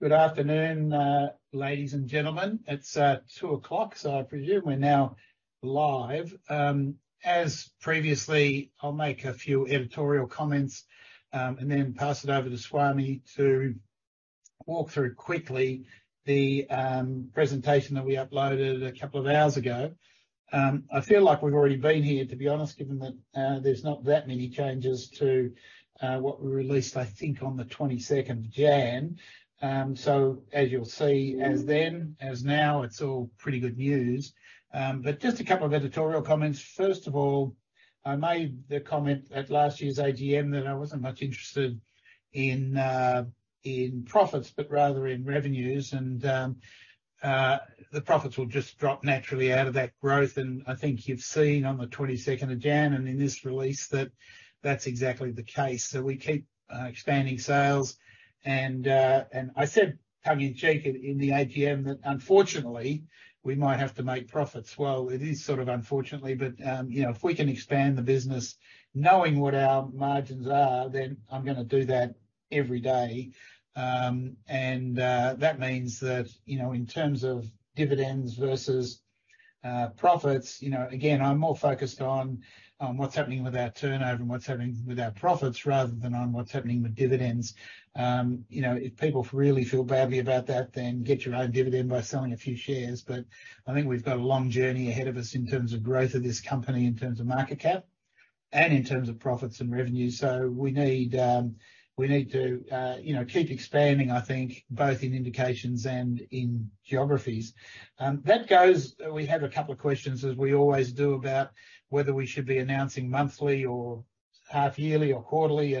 Good afternoon, ladies and gentlemen. It's 2:00 P.M., so I presume we're now live. As previously, I'll make a few editorial comments and then pass it over to Swami to walk through quickly the presentation that we uploaded a couple of hours ago. I feel like we've already been here, to be honest, given that there's not that many changes to what we released, I think, on the 22nd of January. So as you'll see, as then, as now, it's all pretty good news. But just a couple of editorial comments. First of all, I made the comment at last year's AGM that I wasn't much interested in profits, but rather in revenues. And the profits will just drop naturally out of that growth. And I think you've seen on the 22nd of January and in this release that that's exactly the case. So we keep expanding sales. I said tongue-in-cheek in the AGM that, unfortunately, we might have to make profits. Well, it is sort of unfortunately, but if we can expand the business knowing what our margins are, then I'm going to do that every day. And that means that in terms of dividends versus profits, again, I'm more focused on what's happening with our turnover and what's happening with our profits rather than on what's happening with dividends. If people really feel badly about that, then get your own dividend by selling a few shares. But I think we've got a long journey ahead of us in terms of growth of this company, in terms of market cap, and in terms of profits and revenue. So we need to keep expanding, I think, both in indications and in geographies. We have a couple of questions, as we always do, about whether we should be announcing monthly or half-yearly or quarterly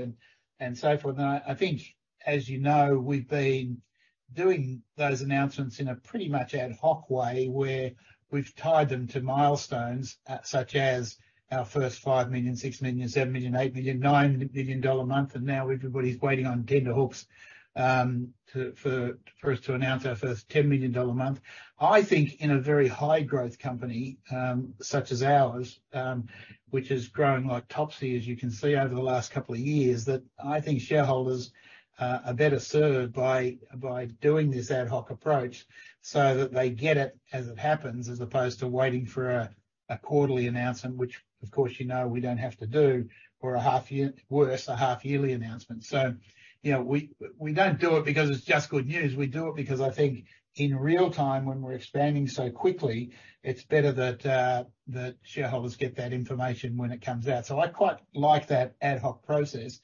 and so forth. I think, as you know, we've been doing those announcements in a pretty much ad hoc way where we've tied them to milestones such as our first 5 million, 6 million, 7 million, 8 million, 9 million dollar a month. Now everybody's waiting on tenterhooks for us to announce our first 10 million dollar a month. I think in a very high-growth company such as ours, which is growing like Topsy, as you can see, over the last couple of years, that I think shareholders are better served by doing this ad hoc approach so that they get it as it happens as opposed to waiting for a quarterly announcement, which, of course, you know we don't have to do, or worse, a half-yearly announcement. So we don't do it because it's just good news. We do it because I think in real time, when we're expanding so quickly, it's better that shareholders get that information when it comes out. So I quite like that ad hoc process.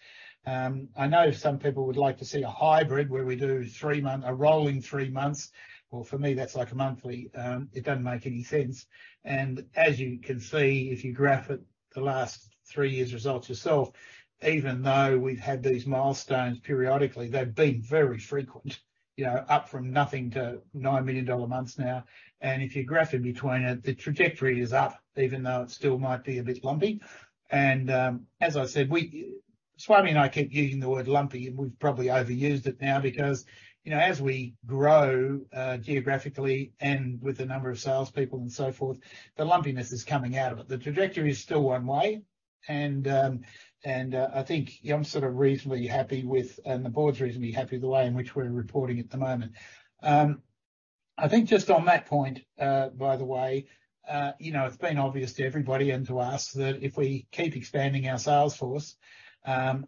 I know some people would like to see a hybrid where we do a rolling three months. Well, for me, that's like a monthly. It doesn't make any sense. As you can see, if you graph it, the last three years' results yourself, even though we've had these milestones periodically, they've been very frequent, up from nothing to 9 million dollar a month now. And if you graph in between it, the trajectory is up, even though it still might be a bit lumpy. And as I said, Swami and I keep using the word lumpy, and we've probably overused it now because as we grow geographically and with the number of salespeople and so forth, the lumpiness is coming out of it. The trajectory is still one way. And I think I'm sort of reasonably happy with, and the board's reasonably happy with the way in which we're reporting at the moment. I think just on that point, by the way, it's been obvious to everybody and to us that if we keep expanding our salesforce,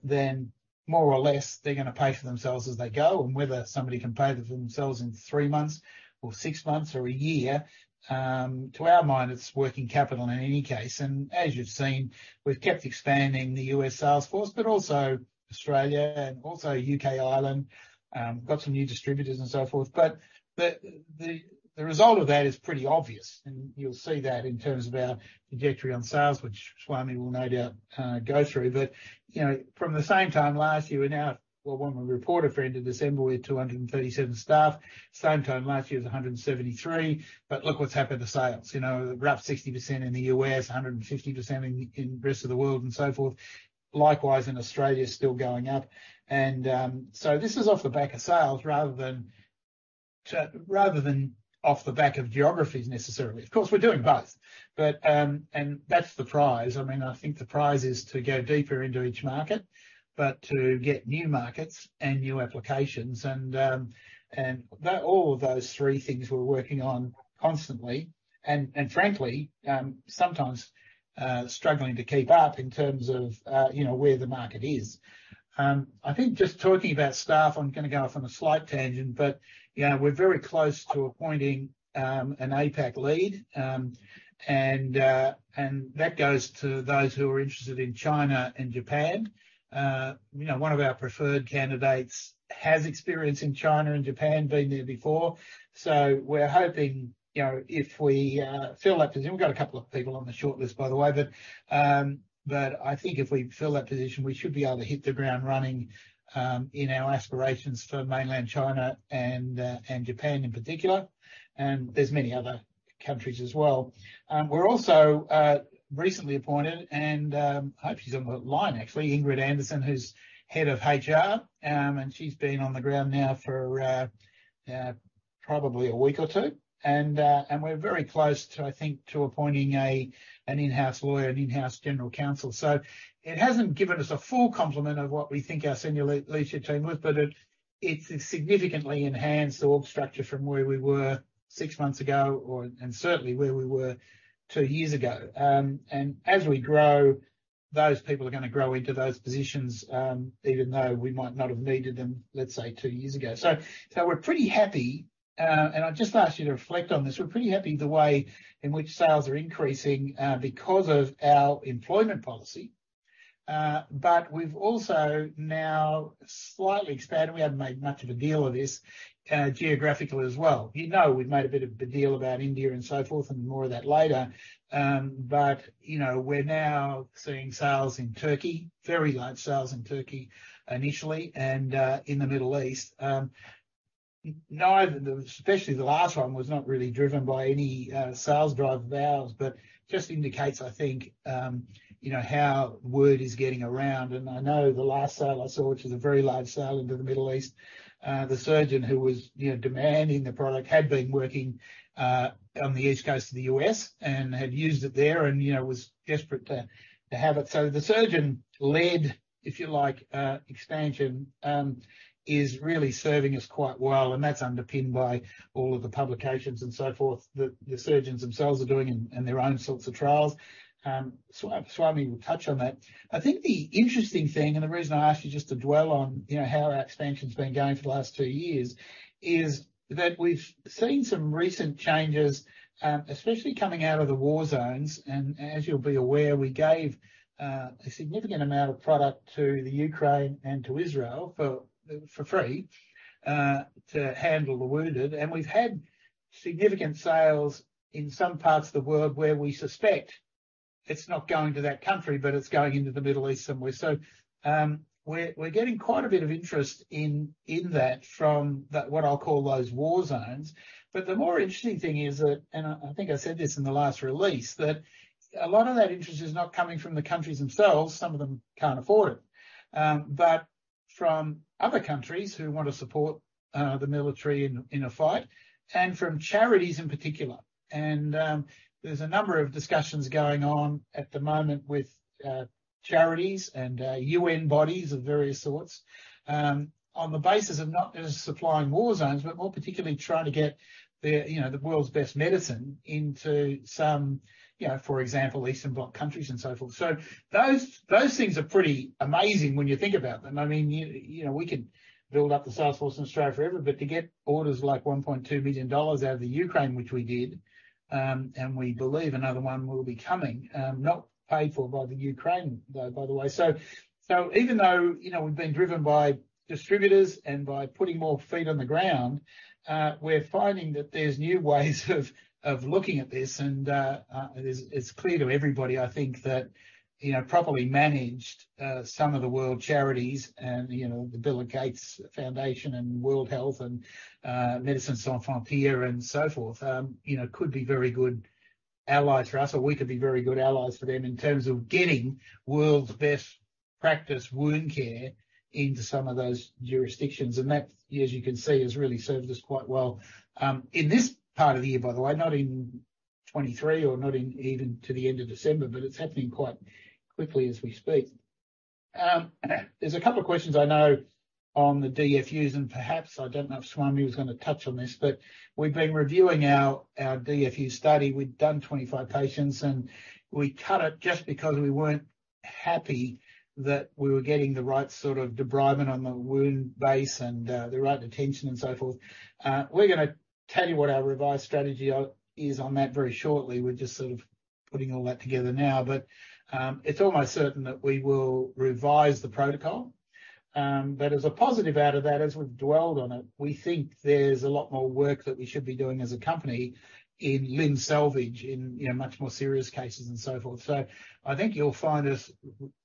then more or less they're going to pay for themselves as they go. And whether somebody can pay for themselves in three months or six months or a year, to our mind, it's working capital in any case. And as you've seen, we've kept expanding the U.S. salesforce, but also Australia and also U.K. and Ireland. Got some new distributors and so forth. But the result of that is pretty obvious. And you'll see that in terms of our trajectory on sales, which Swami will no doubt go through. But from the same time last year we're now well, when we reported for end of December, we had 237 staff. Same time last year was 173. But look what's happened to sales. A rough 60% in the U.S., 150% in the rest of the world, and so forth. Likewise, in Australia, still going up. And so this is off the back of sales rather than off the back of geographies necessarily. Of course, we're doing both. And that's the prize. I mean, I think the prize is to go deeper into each market, but to get new markets and new applications. And all of those three things we're working on constantly and, frankly, sometimes struggling to keep up in terms of where the market is. I think just talking about staff, I'm going to go off on a slight tangent, but we're very close to appointing an APAC lead. And that goes to those who are interested in China and Japan. One of our preferred candidates has experience in China and Japan, been there before. So we're hoping if we fill that position we've got a couple of people on the short list, by the way. But I think if we fill that position, we should be able to hit the ground running in our aspirations for mainland China and Japan in particular. And there's many other countries as well. We're also recently appointed, and I hope she's on the line, actually, Ingrid Anderson, who's Head of HR. And she's been on the ground now for probably a week or two. And we're very close, I think, to appointing an in-house lawyer, an in-house general counsel. So it hasn't given us a full complement of what we think our senior leadership team was, but it's significantly enhanced the org structure from where we were six months ago and certainly where we were two years ago. As we grow, those people are going to grow into those positions, even though we might not have needed them, let's say, two years ago. We're pretty happy. I just asked you to reflect on this. We're pretty happy the way in which sales are increasing because of our employment policy. We've also now slightly expanded, and we haven't made much of a deal of this, geographically as well. You know we've made a bit of a deal about India and so forth and more of that later. We're now seeing sales in Turkey, very large sales in Turkey initially, and in the Middle East. Especially the last one was not really driven by any sales drive of ours, but just indicates, I think, how word is getting around. And I know the last sale I saw, which was a very large sale into the Middle East, the surgeon who was demanding the product had been working on the East Coast of the U.S. and had used it there and was desperate to have it. So the surgeon-led, if you like, expansion is really serving us quite well. And that's underpinned by all of the publications and so forth that the surgeons themselves are doing and their own sorts of trials. Swami will touch on that. I think the interesting thing, and the reason I asked you just to dwell on how our expansion's been going for the last two years, is that we've seen some recent changes, especially coming out of the war zones. And as you'll be aware, we gave a significant amount of product to the Ukraine and to Israel for free to handle the wounded. We've had significant sales in some parts of the world where we suspect it's not going to that country, but it's going into the Middle East somewhere. So we're getting quite a bit of interest in that from what I'll call those war zones. But the more interesting thing is that and I think I said this in the last release, that a lot of that interest is not coming from the countries themselves. Some of them can't afford it. But from other countries who want to support the military in a fight and from charities in particular. And there's a number of discussions going on at the moment with charities and UN bodies of various sorts on the basis of not just supplying war zones, but more particularly trying to get the world's best medicine into some, for example, Eastern Bloc countries and so forth. So those things are pretty amazing when you think about them. I mean, we can build up the salesforce in Australia forever, but to get orders like $1.2 million out of the Ukraine, which we did, and we believe another one will be coming, not paid for by the Ukraine, though, by the way. So even though we've been driven by distributors and by putting more feet on the ground, we're finding that there's new ways of looking at this. And it's clear to everybody, I think, that properly managed some of the world charities and the Bill & Melinda Gates Foundation and World Health Organization and Médecins Sans Frontières and so forth could be very good allies for us, or we could be very good allies for them in terms of getting world's best-practice wound care into some of those jurisdictions. And that, as you can see, has really served us quite well in this part of the year, by the way, not in 2023 or not even to the end of December, but it's happening quite quickly as we speak. There's a couple of questions I know on the DFUs, and perhaps I don't know if Swami was going to touch on this, but we've been reviewing our DFU study. We'd done 25 patients, and we cut it just because we weren't happy that we were getting the right sort of debridement on the wound base and the right attention and so forth. We're going to tell you what our revised strategy is on that very shortly. We're just sort of putting all that together now. But it's almost certain that we will revise the protocol. But as a positive out of that, as we've dwelled on it, we think there's a lot more work that we should be doing as a company in limb salvage, in much more serious cases and so forth. So I think you'll find us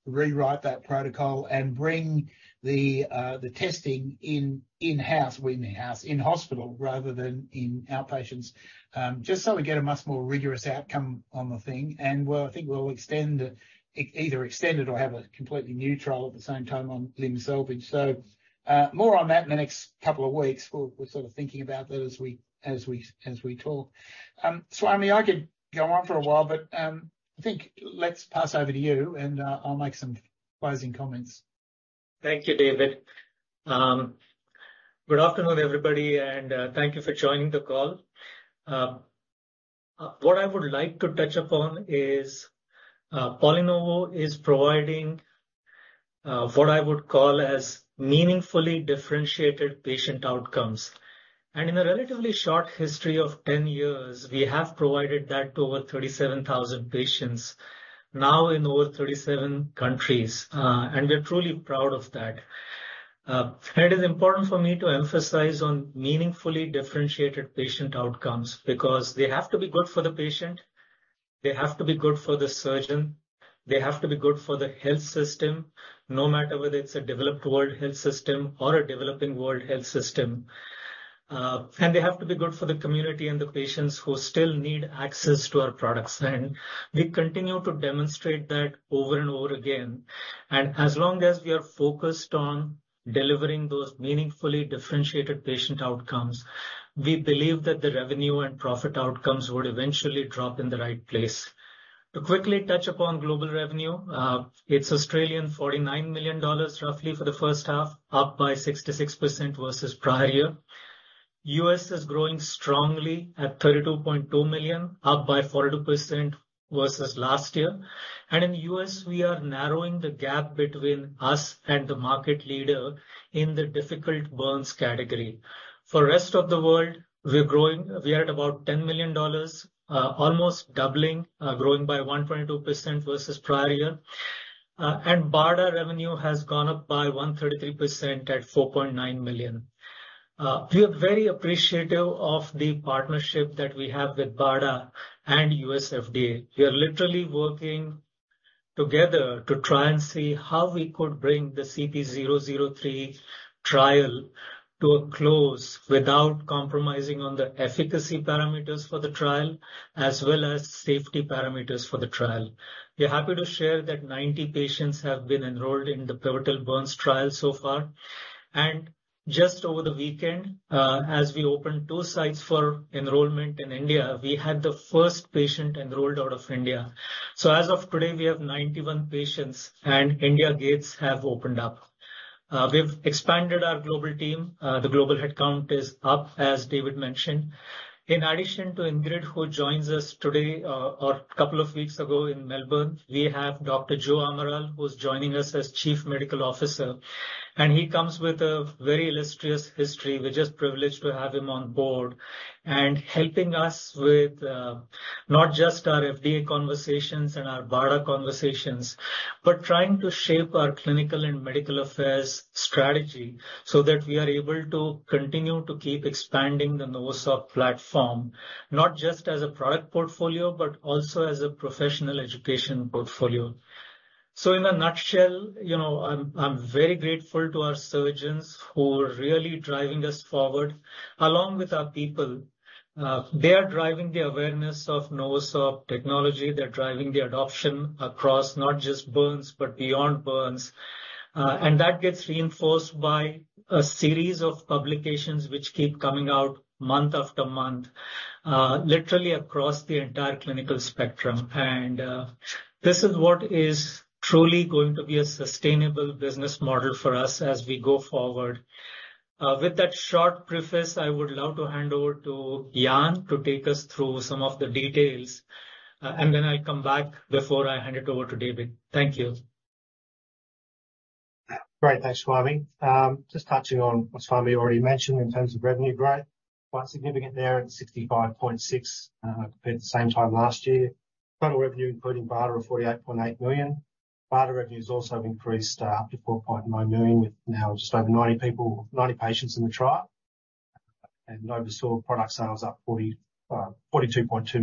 rewrite that protocol and bring the testing in-house, we mean in hospital rather than in outpatients, just so we get a much more rigorous outcome on the thing. And I think we'll either extend it or have a completely new trial at the same time on limb salvage. So more on that in the next couple of weeks. We're sort of thinking about that as we talk. Swami, I could go on for a while, but I think let's pass over to you, and I'll make some closing comments. Thank you, David. Good afternoon, everybody, and thank you for joining the call. What I would like to touch upon is PolyNovo is providing what I would call as meaningfully differentiated patient outcomes. In a relatively short history of 10 years, we have provided that to over 37,000 patients now in over 37 countries. We're truly proud of that. It is important for me to emphasize on meaningfully differentiated patient outcomes because they have to be good for the patient. They have to be good for the surgeon. They have to be good for the health system, no matter whether it's a developed world health system or a developing world health system. They have to be good for the community and the patients who still need access to our products. We continue to demonstrate that over and over again. And as long as we are focused on delivering those meaningfully differentiated patient outcomes, we believe that the revenue and profit outcomes would eventually drop in the right place. To quickly touch upon global revenue, it's 49 million Australian dollars roughly for the first half, up by 66% versus prior year. US is growing strongly at 32.2 million, up by 42% versus last year. And in the US, we are narrowing the gap between us and the market leader in the difficult burns category. For the rest of the world, we're at about 10 million dollars, almost doubling, growing by 122% versus prior year. And BARDA revenue has gone up by 133% at 4.9 million. We are very appreciative of the partnership that we have with BARDA and U.S. FDA. We are literally working together to try and see how we could bring the CP003 trial to a close without compromising on the efficacy parameters for the trial as well as safety parameters for the trial. We're happy to share that 90 patients have been enrolled in the Pivotal Burns trial so far. Just over the weekend, as we opened two sites for enrollment in India, we had the first patient enrolled out of India. As of today, we have 91 patients, and India gates have opened up. We've expanded our global team. The global headcount is up, as David mentioned. In addition to Ingrid, who joins us today or a couple of weeks ago in Melbourne, we have Dr. Joe Amaral, who's joining us as Chief Medical Officer. He comes with a very illustrious history. We're just privileged to have him on board and helping us with not just our FDA conversations and our BARDA conversations, but trying to shape our clinical and medical affairs strategy so that we are able to continue to keep expanding the NovoSorb platform, not just as a product portfolio, but also as a professional education portfolio. So in a nutshell, I'm very grateful to our surgeons who are really driving us forward along with our people. They are driving the awareness of NovoSorb technology. They're driving the adoption across not just burns, but beyond burns. And that gets reinforced by a series of publications which keep coming out month after month, literally across the entire clinical spectrum. And this is what is truly going to be a sustainable business model for us as we go forward. With that short preface, I would love to hand over to Jan to take us through some of the details. Then I'll come back before I hand it over to David. Thank you. Great. Thanks, Swami. Just touching on what Swami already mentioned in terms of revenue growth, quite significant there at 65.6% compared to the same time last year. Total revenue, including BARDA, of 48.8 million. BARDA revenue has also increased up to 4.9 million with now just over 90 patients in the trial. NovoSorb product sales up 42.2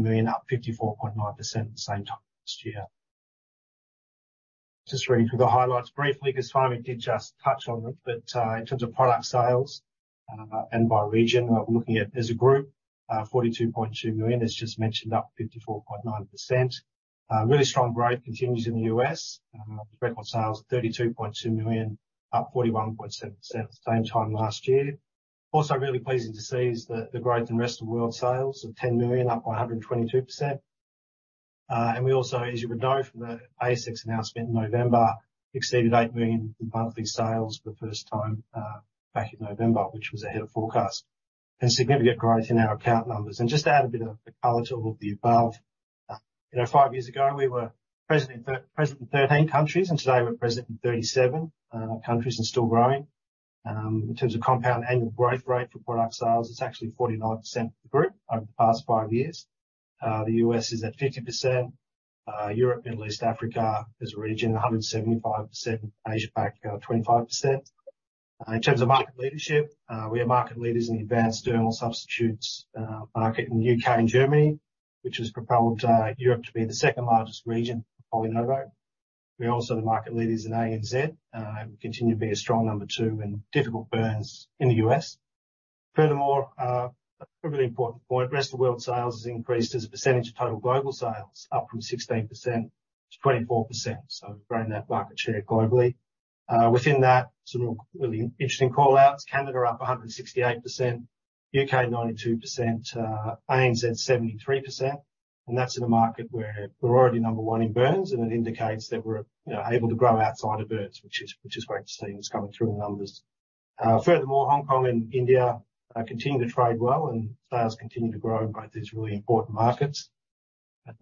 million, up 54.9% at the same time last year. Just ready for the highlights briefly because Swami did just touch on them. In terms of product sales and by region, we're looking at as a group, 42.2 million, as just mentioned, up 54.9%. Really strong growth continues in the US. Record sales of 32.2 million, up 41.7% at the same time last year. Also really pleasing to see is the growth in rest of world sales of 10 million, up by 122%. We also, as you would know from the ASX announcement in November, exceeded 8 million in monthly sales for the first time back in November, which was ahead of forecast, and significant growth in our account numbers. Just to add a bit of color to all of the above, five years ago, we were present in 13 countries, and today, we're present in 37 countries and still growing. In terms of compound annual growth rate for product sales, it's actually 49% for the group over the past five years. The US is at 50%. Europe, Middle East, Africa, as a region, 175%. Asia-Pac, 25%. In terms of market leadership, we are market leaders in the advanced dermal substitutes market in the UK and Germany, which has propelled Europe to be the second-largest region for PolyNovo. We are also the market leaders in ANZ. We continue to be a strong number two in difficult burns in the U.S. Furthermore, a really important point, rest of world sales has increased as a percentage of total global sales, up from 16% to 24%. So we're growing that market share globally. Within that, some really interesting callouts. Canada are up 168%, U.K. 92%, ANZ 73%. And that's in a market where we're already number one in burns. And it indicates that we're able to grow outside of burns, which is great to see and is coming through in numbers. Furthermore, Hong Kong and India continue to trade well, and sales continue to grow in both these really important markets.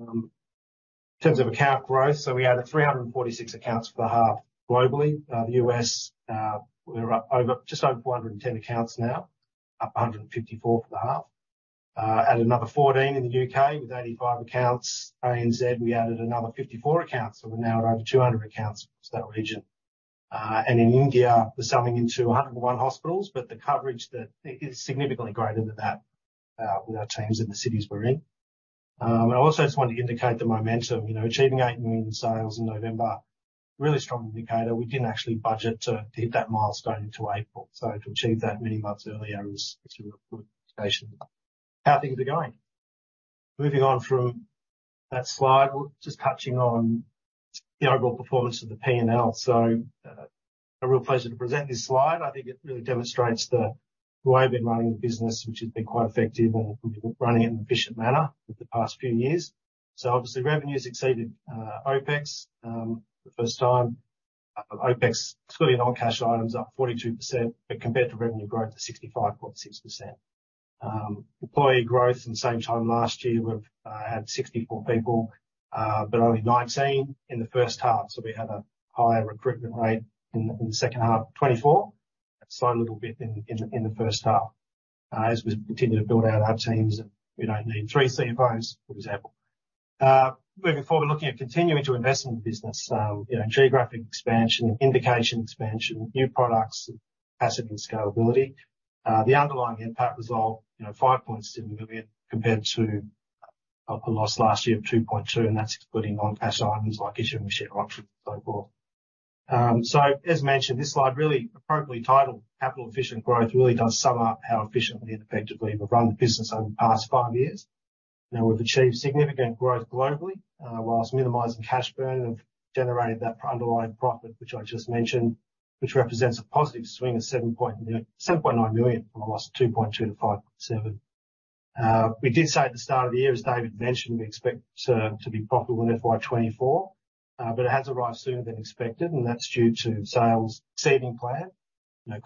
In terms of account growth, so we added 346 accounts for the half globally. The U.S., we're just over 410 accounts now, up 154 for the half. Added another 14 in the U.K. with 85 accounts. ANZ, we added another 54 accounts. So we're now at over 200 accounts across that region. And in India, we're selling into 101 hospitals, but the coverage is significantly greater than that with our teams in the cities we're in. I also just want to indicate the momentum. Achieving 8 million sales in November, really strong indicator. We didn't actually budget to hit that milestone into April. So to achieve that many months earlier is actually a really good indication of how things are going. Moving on from that slide, just touching on the overall performance of the P&L. So a real pleasure to present this slide. I think it really demonstrates the way we've been running the business, which has been quite effective and running it in an efficient manner over the past few years. So obviously, revenues exceeded OpEx for the first time. OpEx, including non-cash items, up 42%, but compared to revenue growth, it's 65.6%. Employee growth, at the same time last year, we've had 64 people, but only 19 in the first half. We had a higher recruitment rate in the second half, 24, a slight little bit in the first half as we continue to build out our teams. We don't need 3 CFOs, for example. Moving forward, we're looking at continuing to invest in the business, in geographic expansion, indication expansion, new products, assets, and scalability. The underlying impact was 5.7 million compared to a loss last year of 2.2 million. That's including non-cash items like issuing share options and so forth. As mentioned, this slide really appropriately titled, "Capital Efficient Growth," really does sum up how efficiently and effectively we've run the business over the past 5 years. Now, we've achieved significant growth globally while minimizing cash burn and have generated that underlying profit, which I just mentioned, which represents a positive swing of 7.9 million from a loss of 2.2 million to 5.7 million. We did say at the start of the year, as David mentioned, we expect to be profitable in FY 2024. It has arrived sooner than expected. That's due to sales exceeding plan,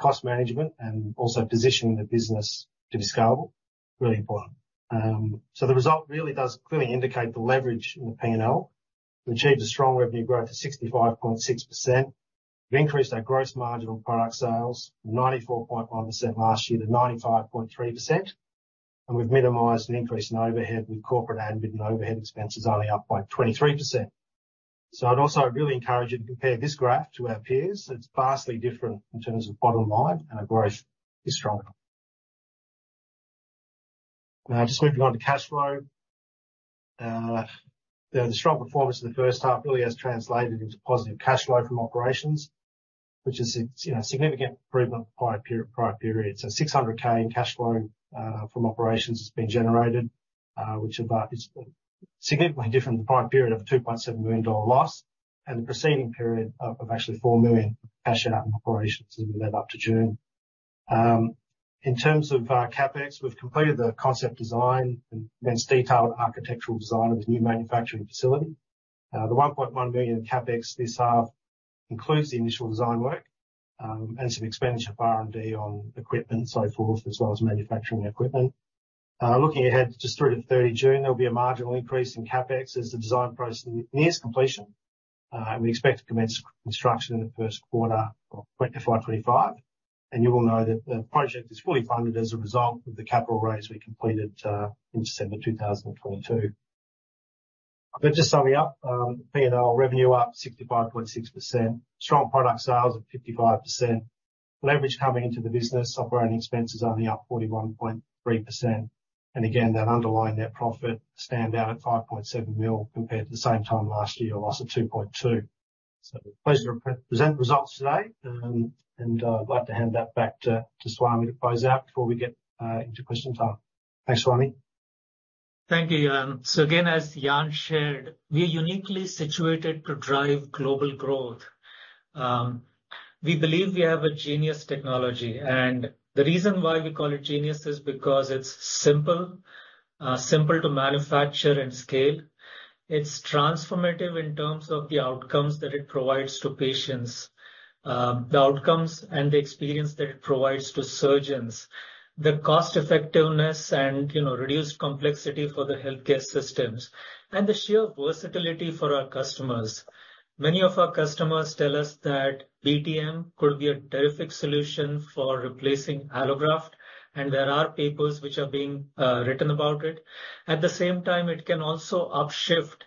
cost management, and also positioning the business to be scalable, really important. The result really does clearly indicate the leverage in the P&L. We achieved a strong revenue growth of 65.6%. We've increased our gross margin on product sales from 94.1% last year to 95.3%. We've minimized increase in overhead with corporate admin and overhead expenses only up by 23%. I'd also really encourage you to compare this graph to our peers. It's vastly different in terms of bottom line, and our growth is stronger. Now, just moving on to cash flow. The strong performance of the first half really has translated into positive cash flow from operations, which is a significant improvement of prior period. So 600,000 in cash flow from operations has been generated, which is significantly different from the prior period of a 2.7 million dollar loss and the preceding period of actually 4 million cash out in operations as we led up to June. In terms of CapEx, we've completed the concept design and then detailed architectural design of the new manufacturing facility. The 1.1 million in CapEx this half includes the initial design work and some expenditure of R&D on equipment and so forth as well as manufacturing equipment. Looking ahead just through to 30 June, there'll be a marginal increase in CapEx as the design process nears completion. We expect to commence construction in the first quarter of 2025. You will know that the project is fully funded as a result of the capital raise we completed in December 2022. Just summing up, P&L revenue up 65.6%, strong product sales of 55%, leverage coming into the business, operating expenses only up 41.3%. Again, that underlying net profit stands out at 5.7 million compared to the same time last year, a loss of 2.2 million. It's a pleasure to present the results today. I'd like to hand that back to Swami to close out before we get into question time. Thanks, Swami. Thank you, Jan. So again, as Jan shared, we are uniquely situated to drive global growth. We believe we have a genius technology. And the reason why we call it genius is because it's simple, simple to manufacture and scale. It's transformative in terms of the outcomes that it provides to patients, the outcomes and the experience that it provides to surgeons, the cost-effectiveness and reduced complexity for the healthcare systems, and the sheer versatility for our customers. Many of our customers tell us that BTM could be a terrific solution for replacing allograft. And there are papers which are being written about it. At the same time, it can also upshift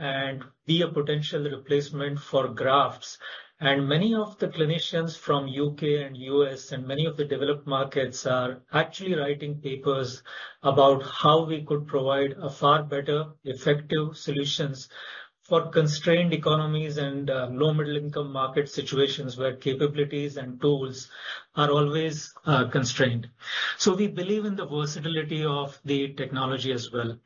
and be a potential replacement for grafts. Many of the clinicians from U.K. and U.S. and many of the developed markets are actually writing papers about how we could provide far better, effective solutions for constrained economies and low-middle-income market situations where capabilities and tools are always constrained. So we believe in the versatility of the technology as well.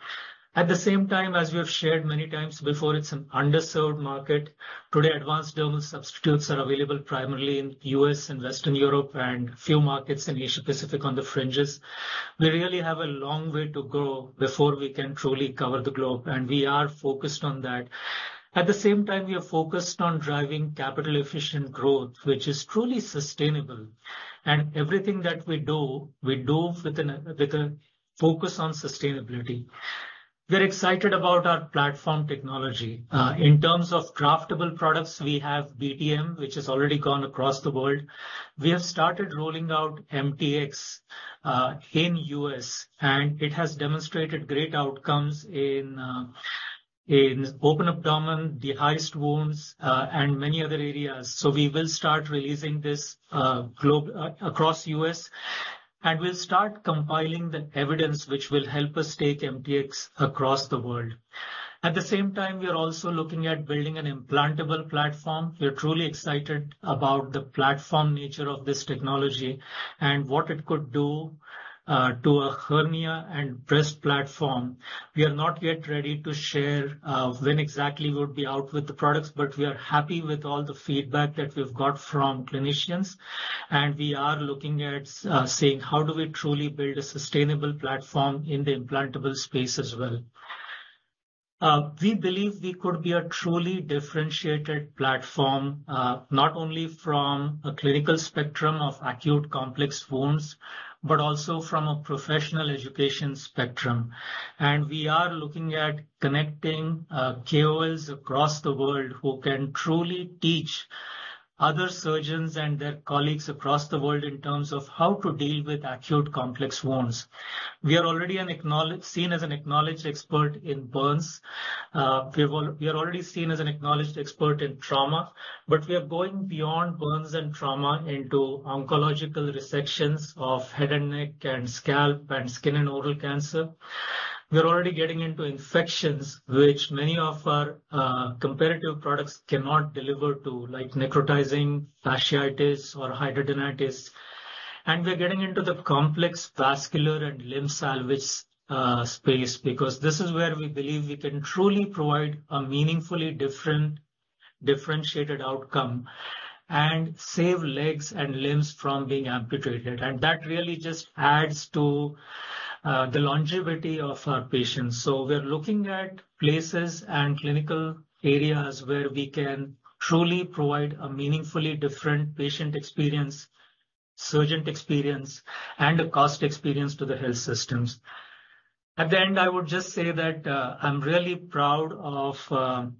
At the same time, as we have shared many times before, it's an underserved market. Today, advanced dermal substitutes are available primarily in the U.S. and Western Europe and a few markets in Asia-Pacific on the fringes. We really have a long way to go before we can truly cover the globe. And we are focused on that. At the same time, we are focused on driving capital-efficient growth, which is truly sustainable. And everything that we do, we do with a focus on sustainability. We're excited about our platform technology. In terms of deployable products, we have BTM, which has already gone across the world. We have started rolling out MTX in the US. It has demonstrated great outcomes in open abdomen, dehisced wounds, and many other areas. We will start releasing this across the US. We'll start compiling the evidence which will help us take MTX across the world. At the same time, we are also looking at building an implantable platform. We are truly excited about the platform nature of this technology and what it could do to a hernia and breast platform. We are not yet ready to share when exactly we would be out with the products. We are happy with all the feedback that we've got from clinicians. We are looking at saying, how do we truly build a sustainable platform in the implantable space as well? We believe we could be a truly differentiated platform not only from a clinical spectrum of acute complex wounds but also from a professional education spectrum. We are looking at connecting KOLs across the world who can truly teach other surgeons and their colleagues across the world in terms of how to deal with acute complex wounds. We are already seen as an acknowledged expert in burns. We are already seen as an acknowledged expert in trauma. But we are going beyond burns and trauma into oncological resections of head and neck and scalp and skin and oral cancer. We are already getting into infections, which many of our comparative products cannot deliver to, like necrotizing fasciitis or hidradenitis. We're getting into the complex vascular and limb salvage space because this is where we believe we can truly provide a meaningfully different, differentiated outcome and save legs and limbs from being amputated. That really just adds to the longevity of our patients. We are looking at places and clinical areas where we can truly provide a meaningfully different patient experience, surgeon experience, and a cost experience to the health systems. At the end, I would just say that I'm really proud of the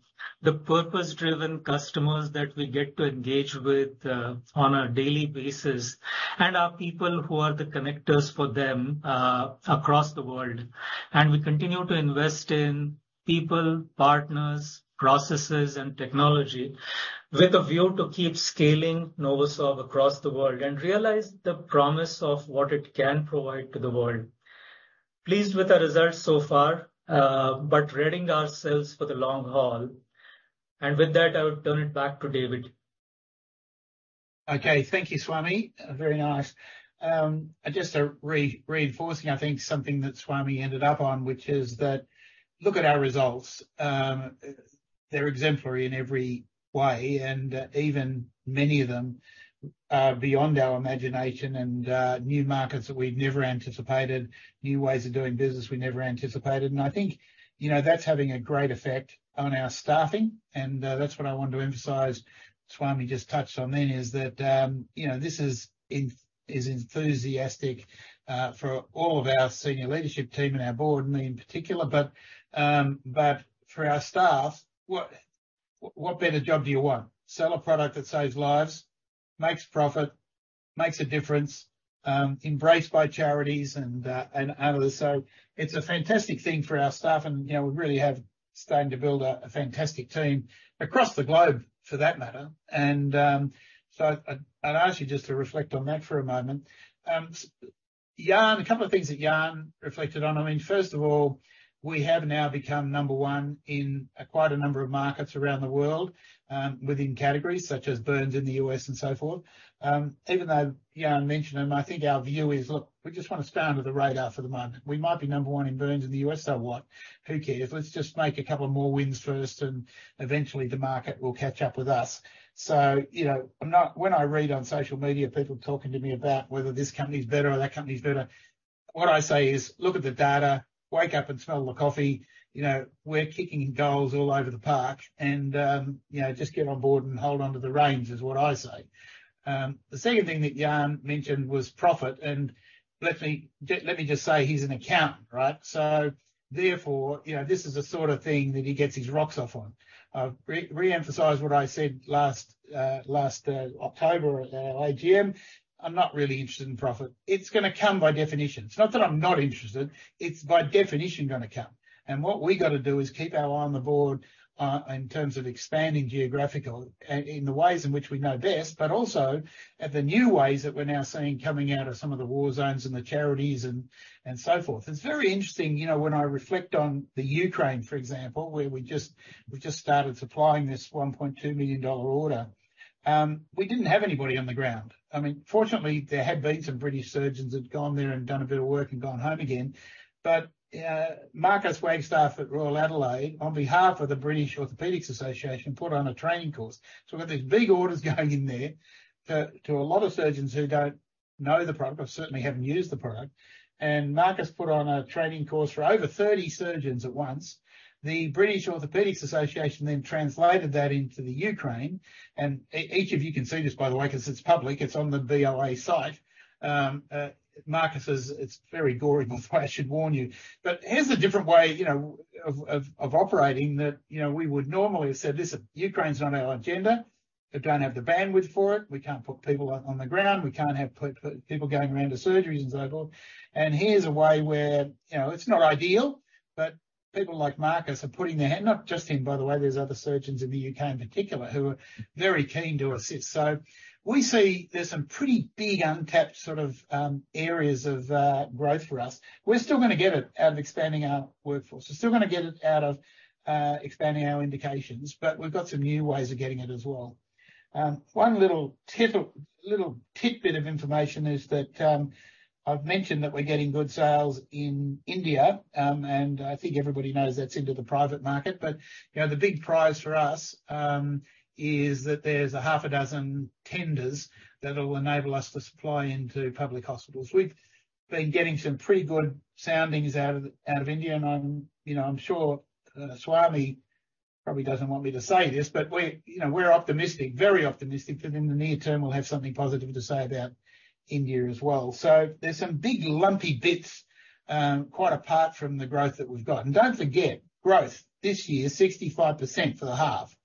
purpose-driven customers that we get to engage with on a daily basis and our people who are the connectors for them across the world. We continue to invest in people, partners, processes, and technology with a view to keep scaling NovoSorb across the world and realize the promise of what it can provide to the world. Pleased with our results so far but readying ourselves for the long haul. With that, I would turn it back to David. Okay. Thank you, Swami. Very nice. Just reinforcing, I think, something that Swami ended up on, which is, look at our results. They're exemplary in every way, and even many of them beyond our imagination and new markets that we'd never anticipated, new ways of doing business we never anticipated. I think that's having a great effect on our staffing. That's what I want to emphasize. Swami just touched on [it], then is that this is enthusiastic for all of our senior leadership team and our board and me in particular. But for our staff, what better job do you want? Sell a product that saves lives, makes profit, makes a difference, embrace by charities, and others. It's a fantastic thing for our staff. We really have started to build a fantastic team across the globe for that matter. And so I'd ask you just to reflect on that for a moment. Jan, a couple of things that Jan reflected on. I mean, first of all, we have now become number one in quite a number of markets around the world within categories such as burns in the U.S. and so forth. Even though Jan mentioned them, I think our view is, "Look, we just want to stay under the radar for the moment. We might be number one in burns in the U.S. So what? Who cares? Let's just make a couple of more wins first. And eventually, the market will catch up with us." So when I read on social media people talking to me about whether this company's better or that company's better, what I say is, "Look at the data. Wake up and smell the coffee. We're kicking goals all over the park. And just get on board and hold onto the reins," is what I say. The second thing that Jan mentioned was profit. And let me just say he's an accountant, right? So therefore, this is the sort of thing that he gets his rocks off on. I reemphasize what I said last October at AGM. I'm not really interested in profit. It's going to come by definition. It's not that I'm not interested. It's by definition going to come. And what we've got to do is keep our eye on the board in terms of expanding geographically in the ways in which we know best but also at the new ways that we're now seeing coming out of some of the war zones and the charities and so forth. It's very interesting when I reflect on the Ukraine, for example, where we just started supplying this $1.2 million order. We didn't have anybody on the ground. I mean, fortunately, there had been some British surgeons that had gone there and done a bit of work and gone home again. But Marcus Wagstaff at Royal Adelaide, on behalf of the British Orthopaedic Association, put on a training course. So we've got these big orders going in there to a lot of surgeons who don't know the product or certainly haven't used the product. And Marcus put on a training course for over 30 surgeons at once. The British Orthopaedic Association then translated that into the Ukraine. And each of you can see this, by the way, because it's public. It's on the BOA site. Marcus's, it's very gory, by the way. I should warn you. But here's a different way of operating that we would normally have said, "Listen, Ukraine's not our agenda. We don't have the bandwidth for it. We can't put people on the ground. We can't have people going around to surgeries and so forth. And here's a way where it's not ideal. But people like Marcus are putting their hand not just him, by the way. There's other surgeons in the U.K. in particular who are very keen to assist. So we see there's some pretty big untapped sort of areas of growth for us. We're still going to get it out of expanding our workforce. We're still going to get it out of expanding our indications. But we've got some new ways of getting it as well. One little tidbit of information is that I've mentioned that we're getting good sales in India. And I think everybody knows that's into the private market. But the big prize for us is that there's a half a dozen tenders that will enable us to supply into public hospitals. We've been getting some pretty good soundings out of India. And I'm sure Swami probably doesn't want me to say this. But we're optimistic, very optimistic that in the near term, we'll have something positive to say about India as well. So there's some big lumpy bits quite apart from the growth that we've got. And don't forget, growth this year, 65% for the half.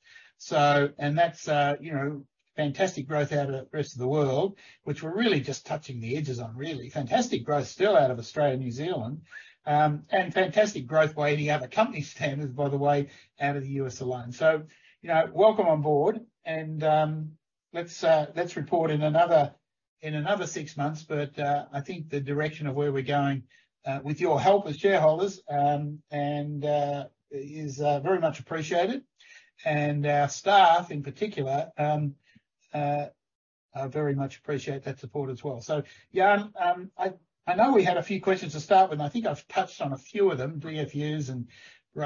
And that's fantastic growth out of the rest of the world, which we're really just touching the edges on, really. Fantastic growth still out of Australia and New Zealand and fantastic growth by any other company standards, by the way, out of the U.S. alone. So welcome on board. And let's report in another six months. But I think the direction of where we're going with your help as shareholders is very much appreciated. Our staff in particular very much appreciate that support as well. Jan, I know we had a few questions to start with. I think I've touched on a few of them, DFUs and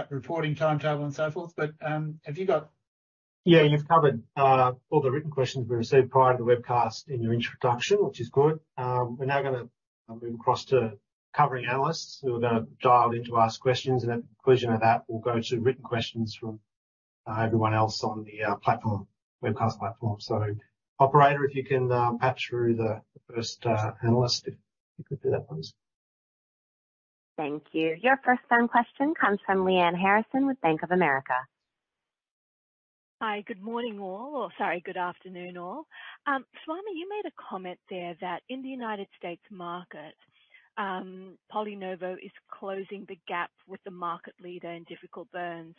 reporting timetable and so forth. But have you got? Yeah. You've covered all the written questions we received prior to the webcast in your introduction, which is good. We're now going to move across to covering analysts who are going to dial in to ask questions. And at the conclusion of that, we'll go to written questions from everyone else on the webcast platform. So operator, if you can patch through the first analyst, if you could do that, please. Thank you. Your first-time question comes from Lyanne Harrison with Bank of America. Hi. Good morning, all. Or sorry, good afternoon, all. Swami, you made a comment there that in the United States market, PolyNovo is closing the gap with the market leader in difficult burns.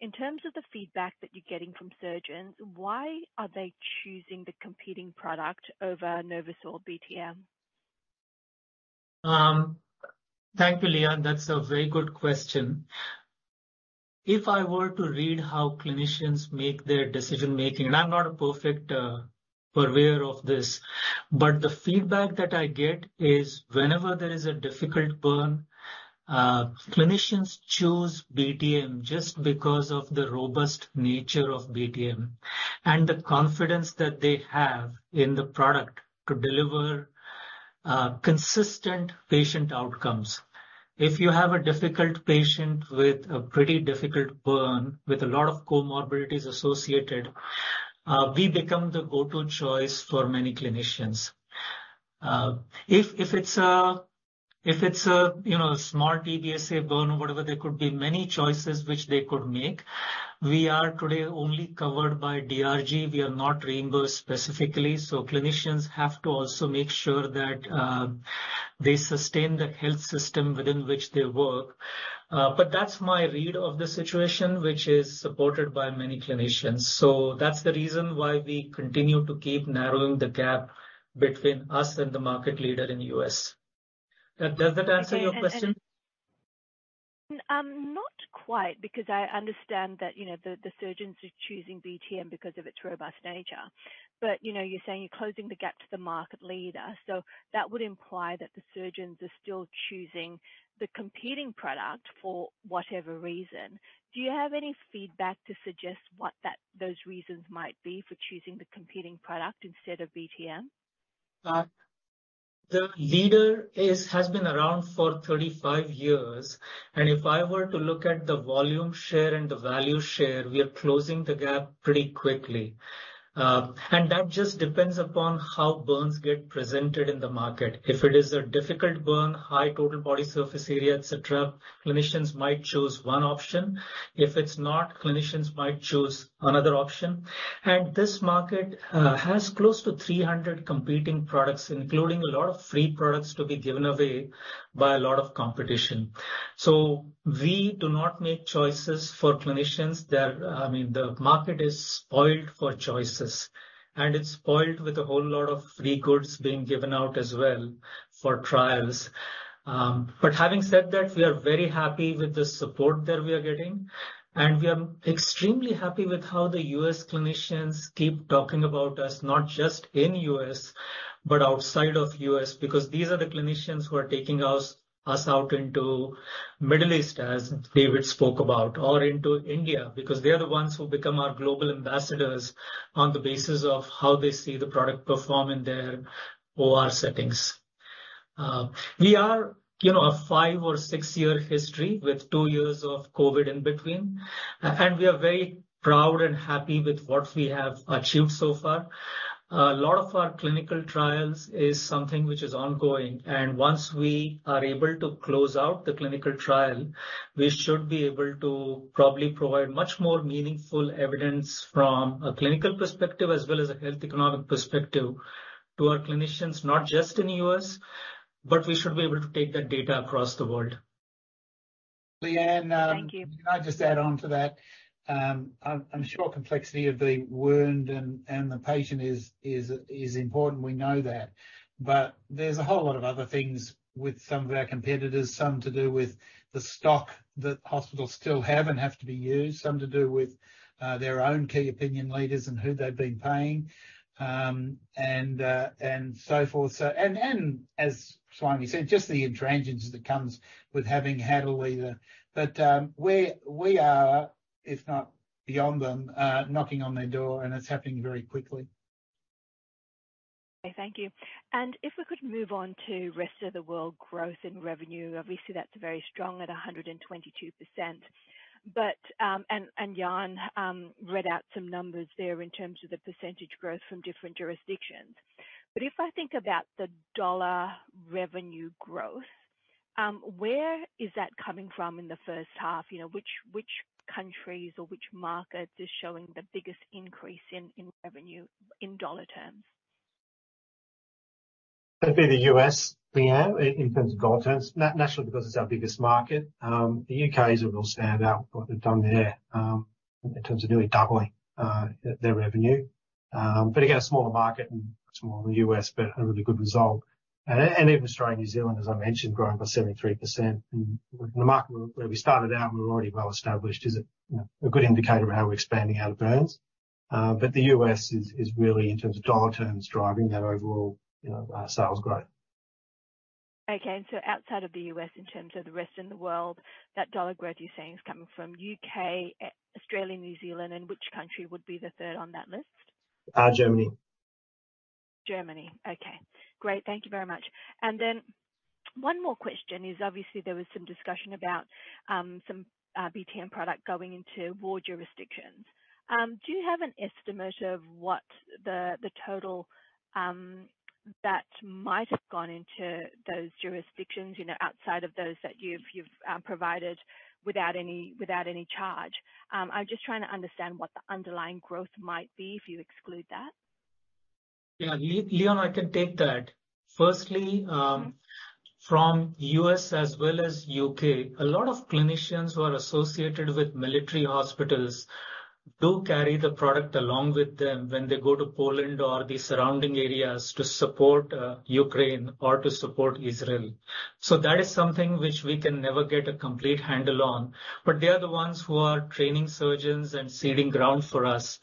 In terms of the feedback that you're getting from surgeons, why are they choosing the competing product over NovoSorb BTM? Thank you, Lyanne. That's a very good question. If I were to read how clinicians make their decision-making and I'm not a perfect purveyor of this. But the feedback that I get is whenever there is a difficult burn, clinicians choose BTM just because of the robust nature of BTM and the confidence that they have in the product to deliver consistent patient outcomes. If you have a difficult patient with a pretty difficult burn with a lot of comorbidities associated, we become the go-to choice for many clinicians. If it's a small TBSA burn or whatever, there could be many choices which they could make. We are today only covered by DRG. We are not reimbursed specifically. So clinicians have to also make sure that they sustain the health system within which they work. But that's my read of the situation, which is supported by many clinicians. That's the reason why we continue to keep narrowing the gap between us and the market leader in the U.S. Does that answer your question? Not quite because I understand that the surgeons are choosing BTM because of its robust nature. But you're saying you're closing the gap to the market leader. So that would imply that the surgeons are still choosing the competing product for whatever reason. Do you have any feedback to suggest what those reasons might be for choosing the competing product instead of BTM? The leader has been around for 35 years. If I were to look at the volume share and the value share, we are closing the gap pretty quickly. That just depends upon how burns get presented in the market. If it is a difficult burn, high total body surface area, etc., clinicians might choose one option. If it's not, clinicians might choose another option. This market has close to 300 competing products, including a lot of free products to be given away by a lot of competition. So we do not make choices for clinicians. I mean, the market is spoiled for choices. It's spoiled with a whole lot of free goods being given out as well for trials. But having said that, we are very happy with the support that we are getting. We are extremely happy with how the U.S. clinicians keep talking about us, not just in the U.S. but outside of the U.S. because these are the clinicians who are taking us out into the Middle East, as David spoke about, or into India because they are the ones who become our global ambassadors on the basis of how they see the product perform in their OR settings. We have a 5- or 6-year history with 2 years of COVID in between. We are very proud and happy with what we have achieved so far. A lot of our clinical trials is something which is ongoing. Once we are able to close out the clinical trial, we should be able to probably provide much more meaningful evidence from a clinical perspective as well as a health economic perspective to our clinicians, not just in the U.S. But we should be able to take that data across the world. Leanne, can I just add on to that? I'm sure complexity of the wound and the patient is important. We know that. But there's a whole lot of other things with some of our competitors, some to do with the stock that hospitals still have and have to be used, some to do with their own key opinion leaders and who they've been paying and so forth. And as Swami said, just the intransigence that comes with having had a leader. But we are, if not beyond them, knocking on their door. And it's happening very quickly. Okay. Thank you. And if we could move on to rest of the world growth in revenue, obviously, that's very strong at 122%. And Jan read out some numbers there in terms of the percentage growth from different jurisdictions. But if I think about the dollar revenue growth, where is that coming from in the first half? Which countries or which markets are showing the biggest increase in revenue in dollar terms? That'd be the U.S., Leanne, in terms of dollar terms, naturally because it's our biggest market. The U.K. is a real standout for what they've done there in terms of nearly doubling their revenue. But again, a smaller market and smaller than the U.S. but a really good result. Even Australia and New Zealand, as I mentioned, growing by 73%. The market where we started out and we're already well-established is a good indicator of how we're expanding out of burns. But the U.S. is really, in terms of dollar terms, driving that overall sales growth. Okay. So outside of the U.S., in terms of the rest of the world, that dollar growth you're saying is coming from U.K., Australia, New Zealand. Which country would be the third on that list? Germany. Germany. Okay. Great. Thank you very much. And then one more question is, obviously, there was some discussion about some BTM product going into more jurisdictions. Do you have an estimate of the total that might have gone into those jurisdictions outside of those that you've provided without any charge? I'm just trying to understand what the underlying growth might be if you exclude that. Yeah. Leanne, I can take that. Firstly, from the U.S. as well as the U.K., a lot of clinicians who are associated with military hospitals do carry the product along with them when they go to Poland or the surrounding areas to support Ukraine or to support Israel. So that is something which we can never get a complete handle on. But they are the ones who are training surgeons and seeding ground for us.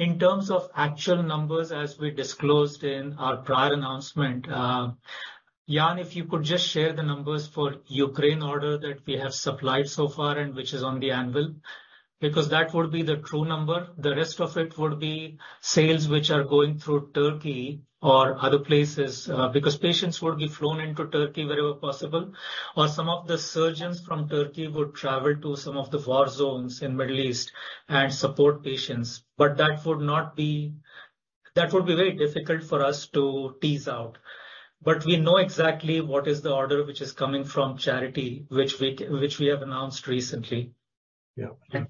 In terms of actual numbers, as we disclosed in our prior announcement, Jan, if you could just share the numbers for the Ukraine order that we have supplied so far and which is on the anvil because that would be the true number. The rest of it would be sales which are going through Turkey or other places because patients would be flown into Turkey wherever possible. Or some of the surgeons from Turkey would travel to some of the war zones in the Middle East and support patients. But that would be very difficult for us to tease out. But we know exactly what is the order which is coming from charity which we have announced recently. Yeah.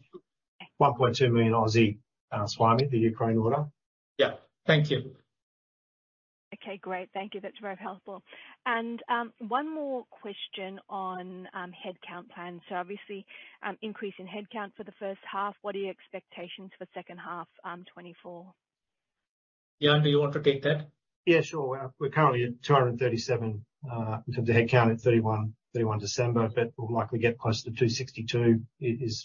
1.2 million, Swami, the Ukraine order? Yeah. Thank you. Okay. Great. Thank you. That's very helpful. One more question on headcount plans. Obviously, increase in headcount for the first half. What are your expectations for second half 2024? Jan, do you want to take that? Yeah. Sure. We're currently at 237 in terms of headcount at 31 December. But we'll likely get close to 262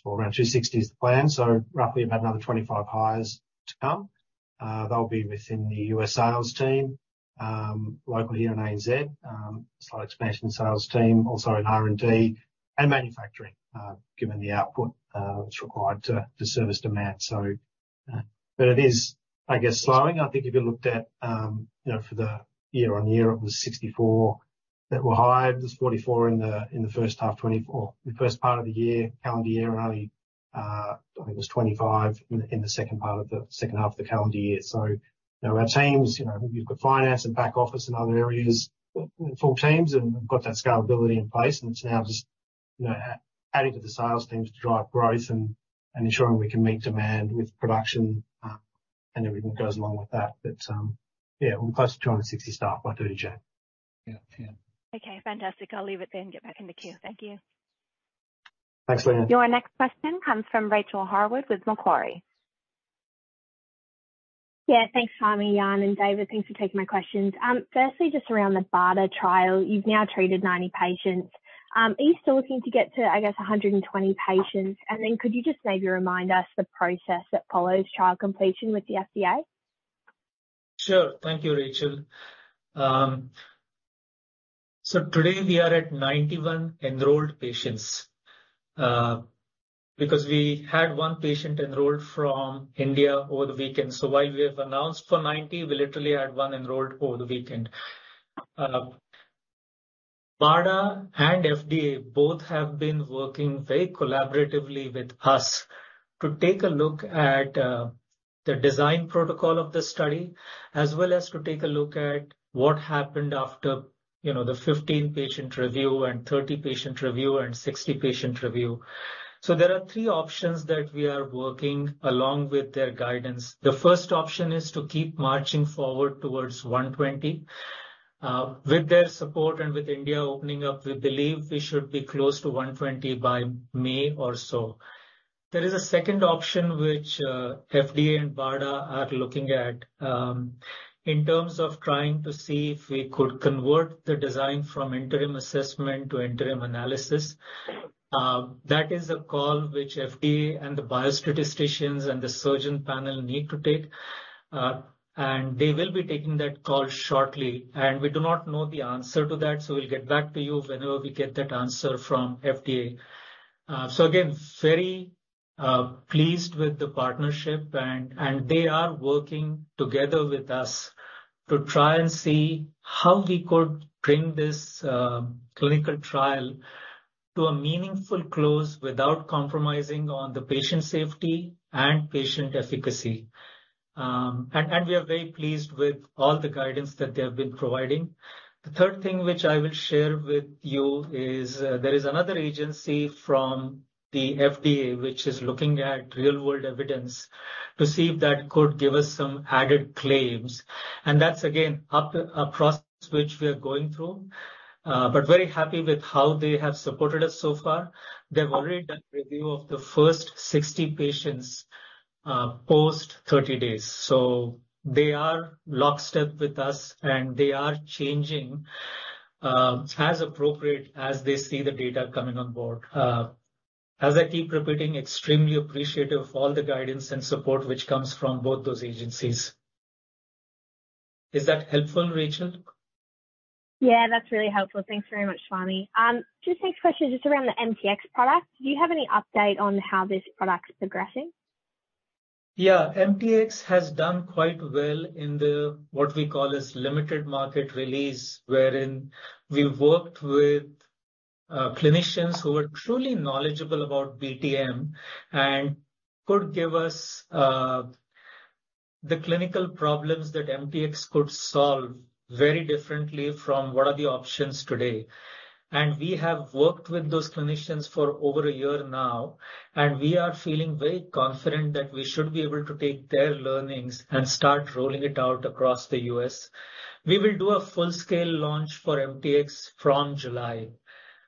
or around 260 is the plan. So roughly about another 25 hires to come. They'll be within the U.S. sales team local here in ANZ, a slight expansion in the sales team also in R&D and manufacturing given the output that's required to service demand. But it is, I guess, slowing. I think if you looked at for the year-on-year, it was 64 that were hired. It was 44 in the first half 2024, the first part of the calendar year. And only, I think, it was 25 in the second part of the second half of the calendar year. So our teams, you've got finance and back office and other areas, full teams. And we've got that scalability in place. It's now just adding to the sales teams to drive growth and ensuring we can meet demand with production and everything that goes along with that. But yeah, we'll be close to 260 staff by 30 January. Yeah. Yeah. Okay. Fantastic. I'll leave it there and get back in the queue. Thank you. Thanks, Leanne. Your next question comes from Rachael Harwood with Macquarie. Yeah. Thanks, Swami, Jan, and David. Thanks for taking my questions. Firstly, just around the BARDA trial, you've now treated 90 patients. Are you still looking to get to, I guess, 120 patients? And then could you just maybe remind us the process that follows trial completion with the FDA? Sure. Thank you, Rachael. So today, we are at 91 enrolled patients because we had one patient enrolled from India over the weekend. So while we have announced for 90, we literally had one enrolled over the weekend. BARDA and FDA both have been working very collaboratively with us to take a look at the design protocol of the study as well as to take a look at what happened after the 15-patient review and 30-patient review and 60-patient review. So there are three options that we are working along with their guidance. The first option is to keep marching forward towards 120 with their support and with India opening up. We believe we should be close to 120 by May or so. There is a second option which FDA and BARDA are looking at in terms of trying to see if we could convert the design from interim assessment to interim analysis. That is a call which FDA and the biostatisticians and the surgeon panel need to take. They will be taking that call shortly. We do not know the answer to that. We'll get back to you whenever we get that answer from FDA. Again, very pleased with the partnership. They are working together with us to try and see how we could bring this clinical trial to a meaningful close without compromising on the patient safety and patient efficacy. We are very pleased with all the guidance that they have been providing. The third thing which I will share with you is there is another agency from the FDA which is looking at real-world evidence to see if that could give us some added claims. That's, again, a process which we are going through but very happy with how they have supported us so far. They've already done a review of the first 60 patients post-30 days. They are lockstep with us. They are changing as appropriate as they see the data coming on board. As I keep repeating, extremely appreciative of all the guidance and support which comes from both those agencies. Is that helpful, Rachael? Yeah. That's really helpful. Thanks very much, Swami. Just next question is just around the MTX product. Do you have any update on how this product's progressing? Yeah. MTX has done quite well in what we call as limited market release wherein we worked with clinicians who were truly knowledgeable about BTM and could give us the clinical problems that MTX could solve very differently from what are the options today. And we have worked with those clinicians for over a year now. And we are feeling very confident that we should be able to take their learnings and start rolling it out across the US. We will do a full-scale launch for MTX from July.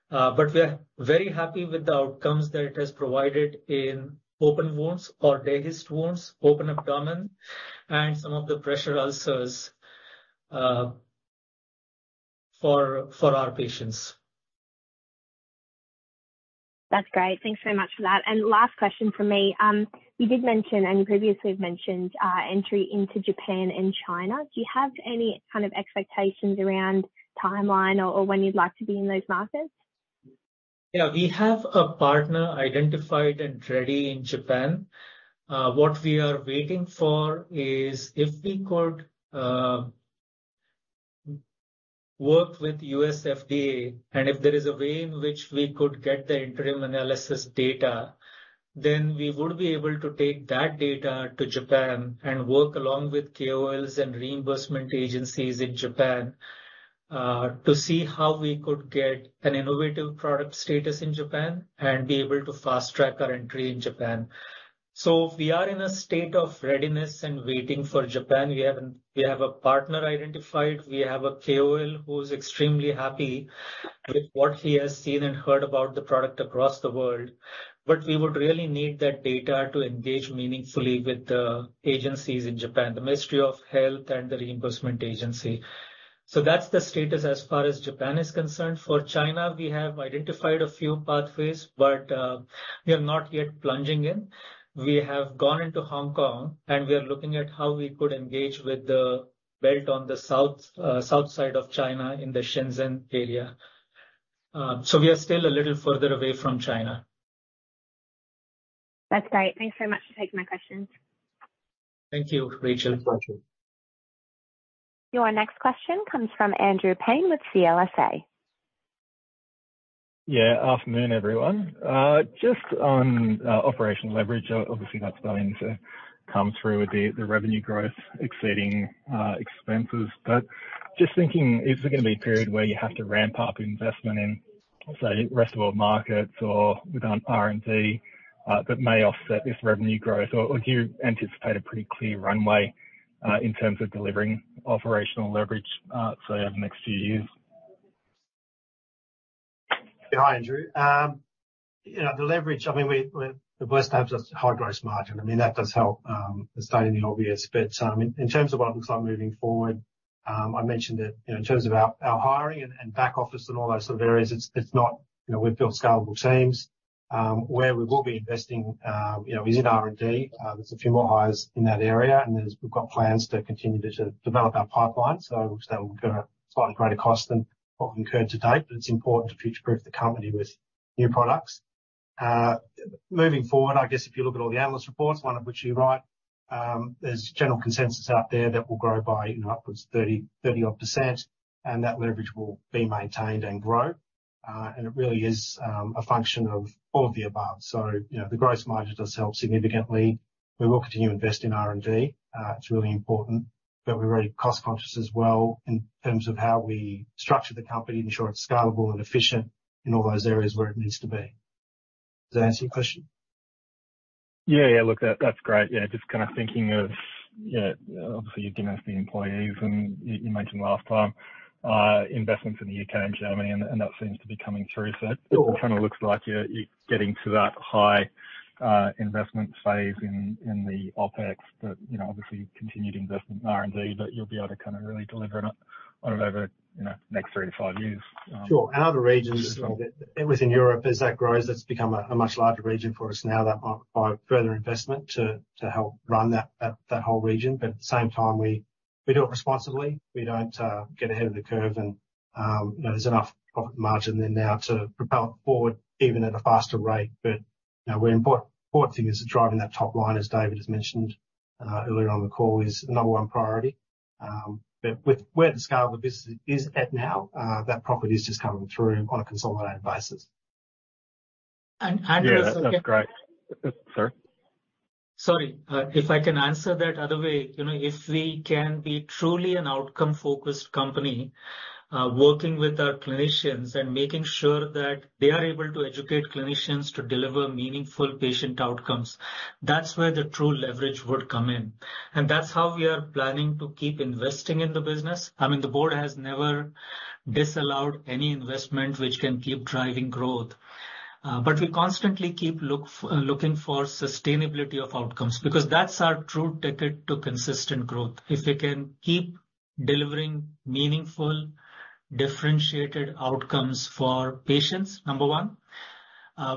But we are very happy with the outcomes that it has provided in open wounds or dehisced wounds, open abdomen, and some of the pressure ulcers for our patients. That's great. Thanks very much for that. Last question from me. You did mention and you previously have mentioned entry into Japan and China. Do you have any kind of expectations around the timeline or when you'd like to be in those markets? Yeah. We have a partner identified and ready in Japan. What we are waiting for is if we could work with the U.S. FDA and if there is a way in which we could get the interim analysis data, then we would be able to take that data to Japan and work along with KOLs and reimbursement agencies in Japan to see how we could get an innovative product status in Japan and be able to fast-track our entry in Japan. So we are in a state of readiness and waiting for Japan. We have a partner identified. We have a KOL who is extremely happy with what he has seen and heard about the product across the world. But we would really need that data to engage meaningfully with the agencies in Japan, the Ministry of Health and the reimbursement agency. So that's the status as far as Japan is concerned. For China, we have identified a few pathways. But we are not yet plunging in. We have gone into Hong Kong. And we are looking at how we could engage with the belt on the south side of China in the Shenzhen area. So we are still a little further away from China. That's great. Thanks very much for taking my questions. Thank you, Rachael. Your next question comes from Andrew Paine with CLSA. Yeah. Afternoon, everyone. Just on operational leverage, obviously, that's going to come through with the revenue growth exceeding expenses. But just thinking, is there going to be a period where you have to ramp up investment in, say, rest of world markets or within R&D that may offset this revenue growth? Or do you anticipate a pretty clear runway in terms of delivering operational leverage, say, over the next few years? Yeah. Hi, Andrew. The leverage, I mean, we're blessed to have such a high gross margin. I mean, that does help. It's not anything obvious. But in terms of what it looks like moving forward, I mentioned that in terms of our hiring and back office and all those sort of areas, it's that we've built scalable teams. Where we will be investing is in R&D. There's a few more hires in that area. And we've got plans to continue to develop our pipeline. So that will incur a slightly greater cost than what we've incurred to date. But it's important to future-proof the company with new products. Moving forward, I guess if you look at all the analyst reports, one of which you write, there's general consensus out there that we'll grow by upwards of 30-odd%. And that leverage will be maintained and grow. And it really is a function of all of the above. So the gross margin does help significantly. We will continue to invest in R&D. It's really important. But we're very cost-conscious as well in terms of how we structure the company, ensure it's scalable and efficient in all those areas where it needs to be. Does that answer your question? Yeah. Yeah. Look, that's great. Yeah. Just kind of thinking of, obviously, you're dealing with the employees. And you mentioned last time investments in the U.K. and Germany. And that seems to be coming through. So it kind of looks like you're getting to that high investment phase in the OpEx. But obviously, continued investment in R&D. But you'll be able to kind of really deliver on it over the next three to five years. Sure. And other regions, within Europe, as that grows, that's become a much larger region for us now by further investment to help run that whole region. But at the same time, we do it responsibly. We don't get ahead of the curve. And there's enough profit margin there now to propel it forward even at a faster rate. But we're important thing is driving that top line, as David has mentioned earlier on the call, is number one priority. But where the scale of the business is at now, that profit is just coming through on a consolidated basis. Yeah. That's great. Sorry? Sorry. If I can answer that other way, if we can be truly an outcome-focused company working with our clinicians and making sure that they are able to educate clinicians to deliver meaningful patient outcomes, that's where the true leverage would come in. And that's how we are planning to keep investing in the business. I mean, the board has never disallowed any investment which can keep driving growth. But we constantly keep looking for sustainability of outcomes because that's our true ticket to consistent growth. If we can keep delivering meaningful, differentiated outcomes for patients, number one,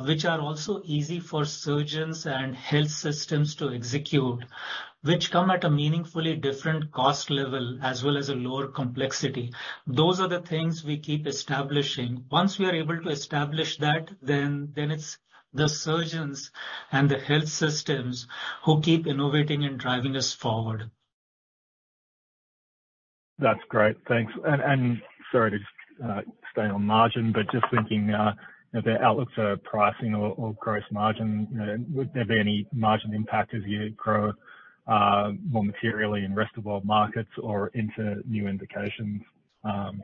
which are also easy for surgeons and health systems to execute, which come at a meaningfully different cost level as well as a lower complexity, those are the things we keep establishing. Once we are able to establish that, then it's the surgeons and the health systems who keep innovating and driving us forward. That's great. Thanks. Sorry to just stay on the margin. Just thinking about outlooks for pricing or gross margin, would there be any margin impact as you grow more materially in rest of world markets or into new indications? And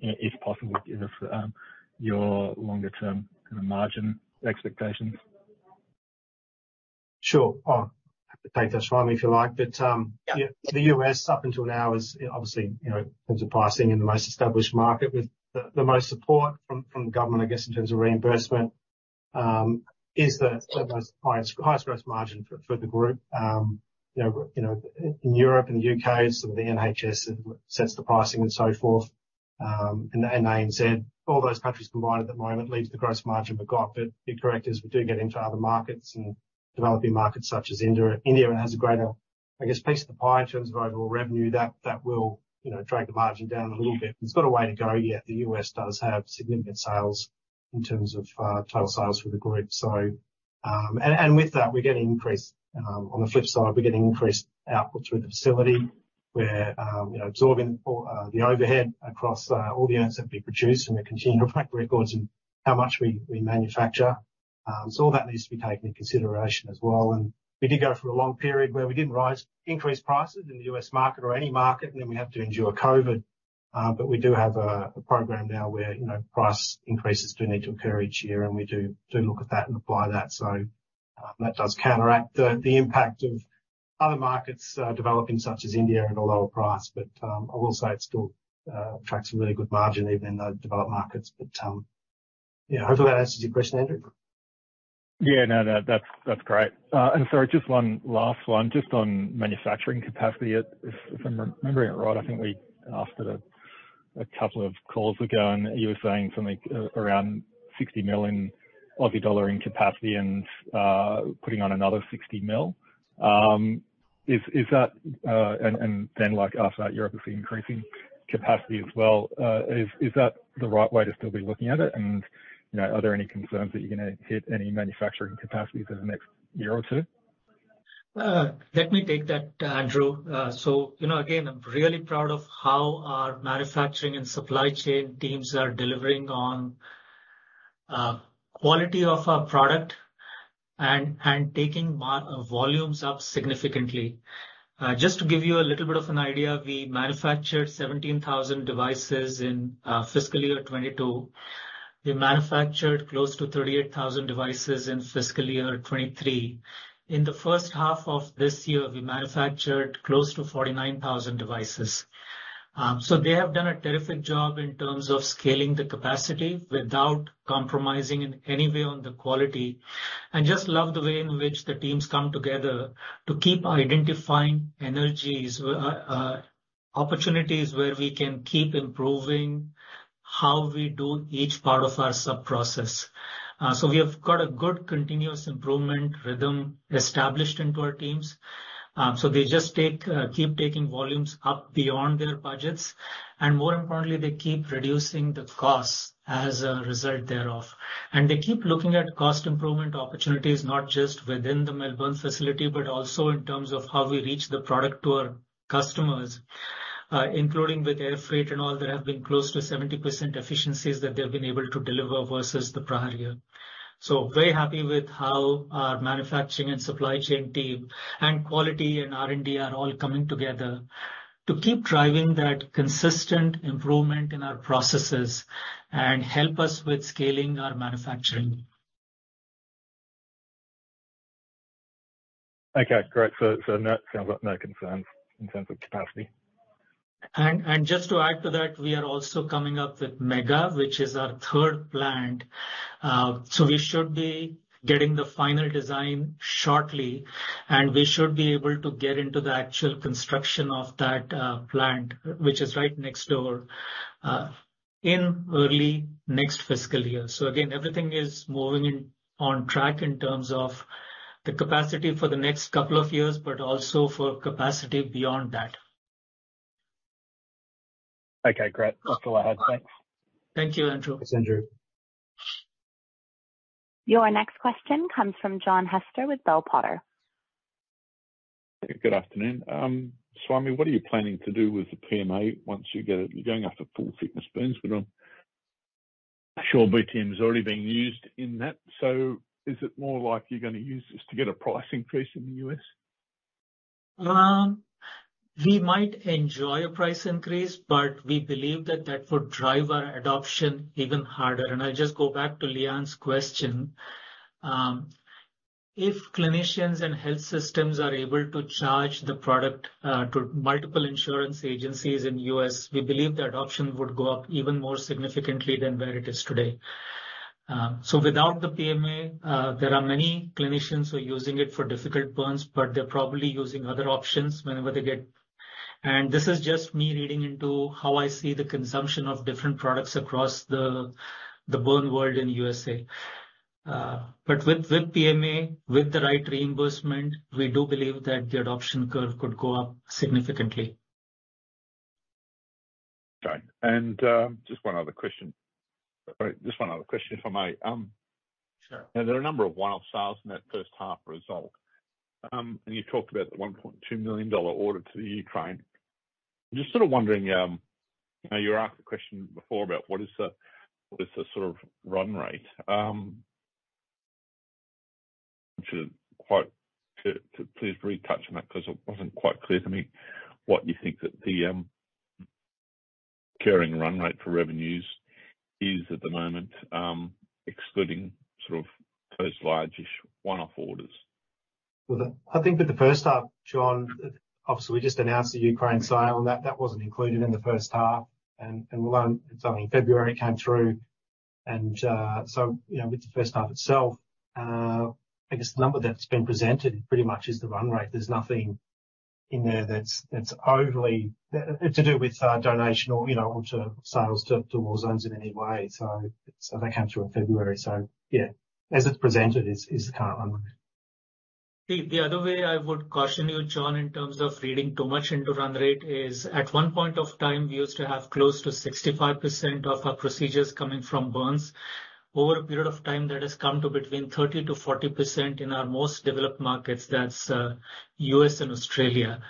if possible, give us your longer-term kind of margin expectations. Sure. Appetite there, Swami, if you like. But yeah, the U.S., up until now, is obviously, in terms of pricing in the most established market with the most support from the government, I guess, in terms of reimbursement, is the highest gross margin for the group. In Europe, in the U.K., it's sort of the NHS that sets the pricing and so forth. And ANZ, all those countries combined at the moment leaves the gross margin a bit. But you're correct as we do get into other markets and developing markets such as India. India has a greater, I guess, piece of the pie in terms of overall revenue that will drag the margin down a little bit. But it's got a way to go yet. The U.S. does have significant sales in terms of total sales for the group. And with that, we're getting increased on the flip side. We're getting increased output through the facility. We're absorbing the overhead across all the units that we produce and the continuum of records and how much we manufacture. So all that needs to be taken into consideration as well. We did go through a long period where we didn't raise increased prices in the U.S. market or any market. Then we had to endure COVID. We do have a program now where price increases do need to occur each year. We do look at that and apply that. That does counteract the impact of other markets developing such as India at a lower price. I will say it still attracts a really good margin even in the developed markets. Yeah, hopefully, that answers your question, Andrew. Yeah. No. That's great. And sorry, just one last one. Just on manufacturing capacity, if I'm remembering it right, I think we asked it a couple of calls ago. And you were saying something around 60 million Aussie dollar in capacity and putting on another 60 million. And then after that, Europe is increasing capacity as well. Is that the right way to still be looking at it? And are there any concerns that you're going to hit any manufacturing capacities over the next year or two? Let me take that, Andrew. So again, I'm really proud of how our manufacturing and supply chain teams are delivering on quality of our product and taking volumes up significantly. Just to give you a little bit of an idea, we manufactured 17,000 devices in fiscal year 2022. We manufactured close to 38,000 devices in fiscal year 2023. In the first half of this year, we manufactured close to 49,000 devices. So they have done a terrific job in terms of scaling the capacity without compromising in any way on the quality. And just love the way in which the teams come together to keep identifying opportunities where we can keep improving how we do each part of our sub-process. So we have got a good continuous improvement rhythm established into our teams. So they just keep taking volumes up beyond their budgets. More importantly, they keep reducing the cost as a result thereof. They keep looking at cost improvement opportunities, not just within the Melbourne facility but also in terms of how we reach the product to our customers, including with air freight and all. There have been close to 70% efficiencies that they've been able to deliver versus the prior year. Very happy with how our manufacturing and supply chain team and quality and R&D are all coming together to keep driving that consistent improvement in our processes and help us with scaling our manufacturing. Okay. Great. So that sounds like no concerns in terms of capacity. And just to add to that, we are also coming up with Mega, which is our third plant. So we should be getting the final design shortly. And we should be able to get into the actual construction of that plant, which is right next door, in early next fiscal year. So again, everything is moving on track in terms of the capacity for the next couple of years but also for capacity beyond that. Okay. Great. Just go ahead. Thanks. Thank you, Andrew. Thanks, Andrew. Your next question comes from John Hester with Bell Potter. Good afternoon. Swami, what are you planning to do with the PMA once you get it? You're going after full-thickness burns. But I'm sure BTM's already being used in that. So is it more like you're going to use this to get a price increase in the U.S.? We might enjoy a price increase. But we believe that that would drive our adoption even harder. And I'll just go back to Leanne's question. If clinicians and health systems are able to charge the product to multiple insurance agencies in the U.S., we believe the adoption would go up even more significantly than where it is today. So without the PMA, there are many clinicians who are using it for difficult burns. But they're probably using other options whenever they get. And this is just me reading into how I see the consumption of different products across the burn world in the USA. But with PMA, with the right reimbursement, we do believe that the adoption curve could go up significantly. Okay. Just one other question. Sorry. Just one other question, if I may. Sure. There are a number of one-off sales in that first half result. And you've talked about the 1.2 million dollar order to Ukraine. Just sort of wondering, you asked the question before about what is the sort of run rate. I want you to please retouch on that because it wasn't quite clear to me what you think that the carrying run rate for revenues is at the moment, excluding sort of those large-ish one-off orders. Well, I think with the first half, John, obviously, we just announced the Ukraine sale and that wasn't included in the first half. And it's only in February it came through. And so with the first half itself, I guess the number that's been presented pretty much is the run rate. There's nothing in there that's overly to do with donation or sales to war zones in any way. So that came through in February. So yeah, as it's presented, it's the current run rate. The other way I would caution you, John, in terms of reading too much into run rate is at one point of time, we used to have close to 65% of our procedures coming from burns. Over a period of time, that has come to between 30%-40% in our most developed markets. That's U.S. and Australia.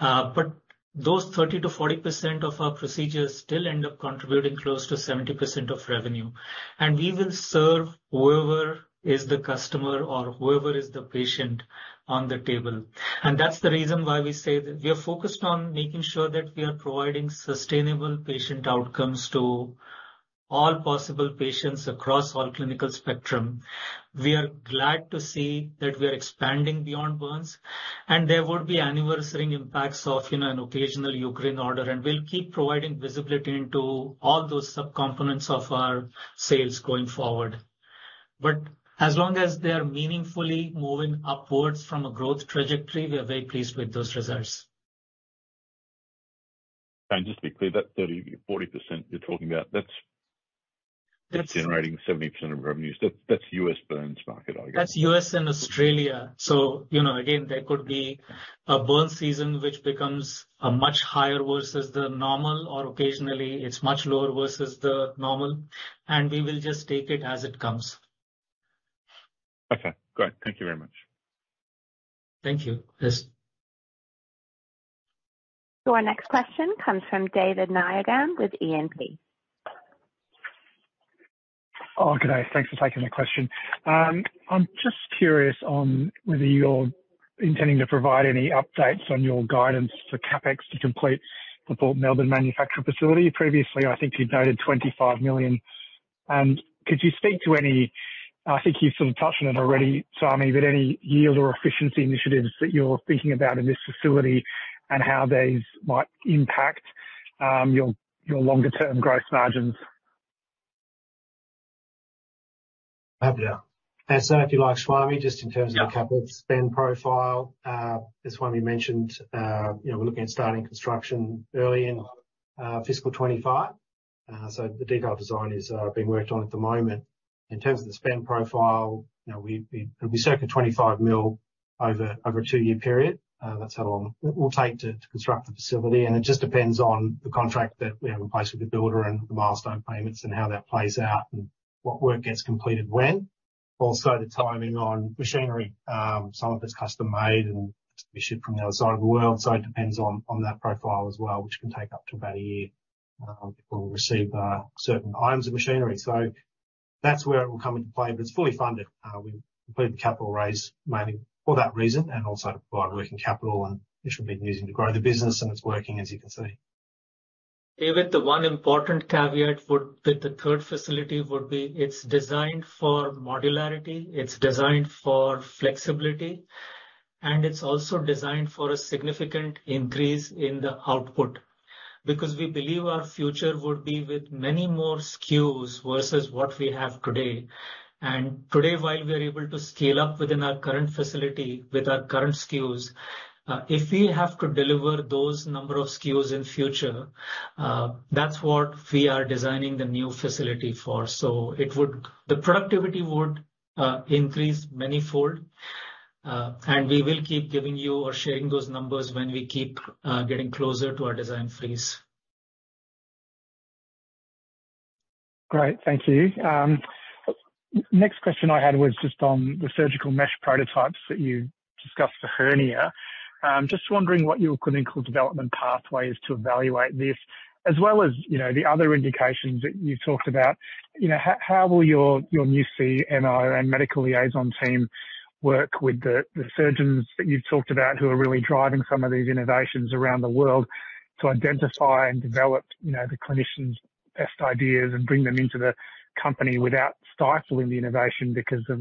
But those 30%-40% of our procedures still end up contributing close to 70% of revenue. And we will serve whoever is the customer or whoever is the patient on the table. And that's the reason why we say that we are focused on making sure that we are providing sustainable patient outcomes to all possible patients across all clinical spectrum. We are glad to see that we are expanding beyond burns. And there would be anniversary impacts of an occasional Ukraine order. We'll keep providing visibility into all those sub-components of our sales going forward. As long as they are meaningfully moving upwards from a growth trajectory, we are very pleased with those results. Just to be clear, that 30%-40% you're talking about, that's generating 70% of revenues. That's U.S. burns market, I guess. That's U.S. and Australia. So again, there could be a burn season which becomes much higher versus the normal or occasionally, it's much lower versus the normal. And we will just take it as it comes. Okay. Great. Thank you very much. Thank you. Yes. Your next question comes from David Nayagam with E&P. Oh, good day. Thanks for taking the question. I'm just curious on whether you're intending to provide any updates on your guidance for CapEx to complete the Melbourne manufacturing facility. Previously, I think you'd noted 25 million. Could you speak to any—I think you've sort of touched on it already, Swami, but any yield or efficiency initiatives that you're thinking about in this facility and how these might impact your longer-term gross margins? I'll help out answer if you like, Swami, just in terms of the CapEx spend profile, as Swami mentioned, we're looking at starting construction early in fiscal 2025. So the detailed design is being worked on at the moment. In terms of the spend profile, it'll be circa 25 million over a two-year period. That's how long it will take to construct the facility. And it just depends on the contract that we have in place with the builder and the milestone payments and how that plays out and what work gets completed when. Also, the timing on machinery. Some of it's custom-made and is issued from the other side of the world. So it depends on that profile as well, which can take up to about a year before we receive certain items of machinery. So that's where it will come into play. But it's fully funded. We've completed the capital raise mainly for that reason and also to provide working capital. And it should be used to grow the business. And it's working, as you can see. David, the one important caveat with the third facility would be it's designed for modularity. It's designed for flexibility. And it's also designed for a significant increase in the output because we believe our future would be with many more SKUs versus what we have today. And today, while we are able to scale up within our current facility with our current SKUs, if we have to deliver those number of SKUs in the future, that's what we are designing the new facility for. So the productivity would increase manyfold. And we will keep giving you or sharing those numbers when we keep getting closer to our design freeze. Great. Thank you. Next question I had was just on the surgical mesh prototypes that you discussed for hernia. Just wondering what your clinical development pathway is to evaluate this as well as the other indications that you've talked about. How will your new CMO and medical liaison team work with the surgeons that you've talked about who are really driving some of these innovations around the world to identify and develop the clinicians' best ideas and bring them into the company without stifling the innovation because of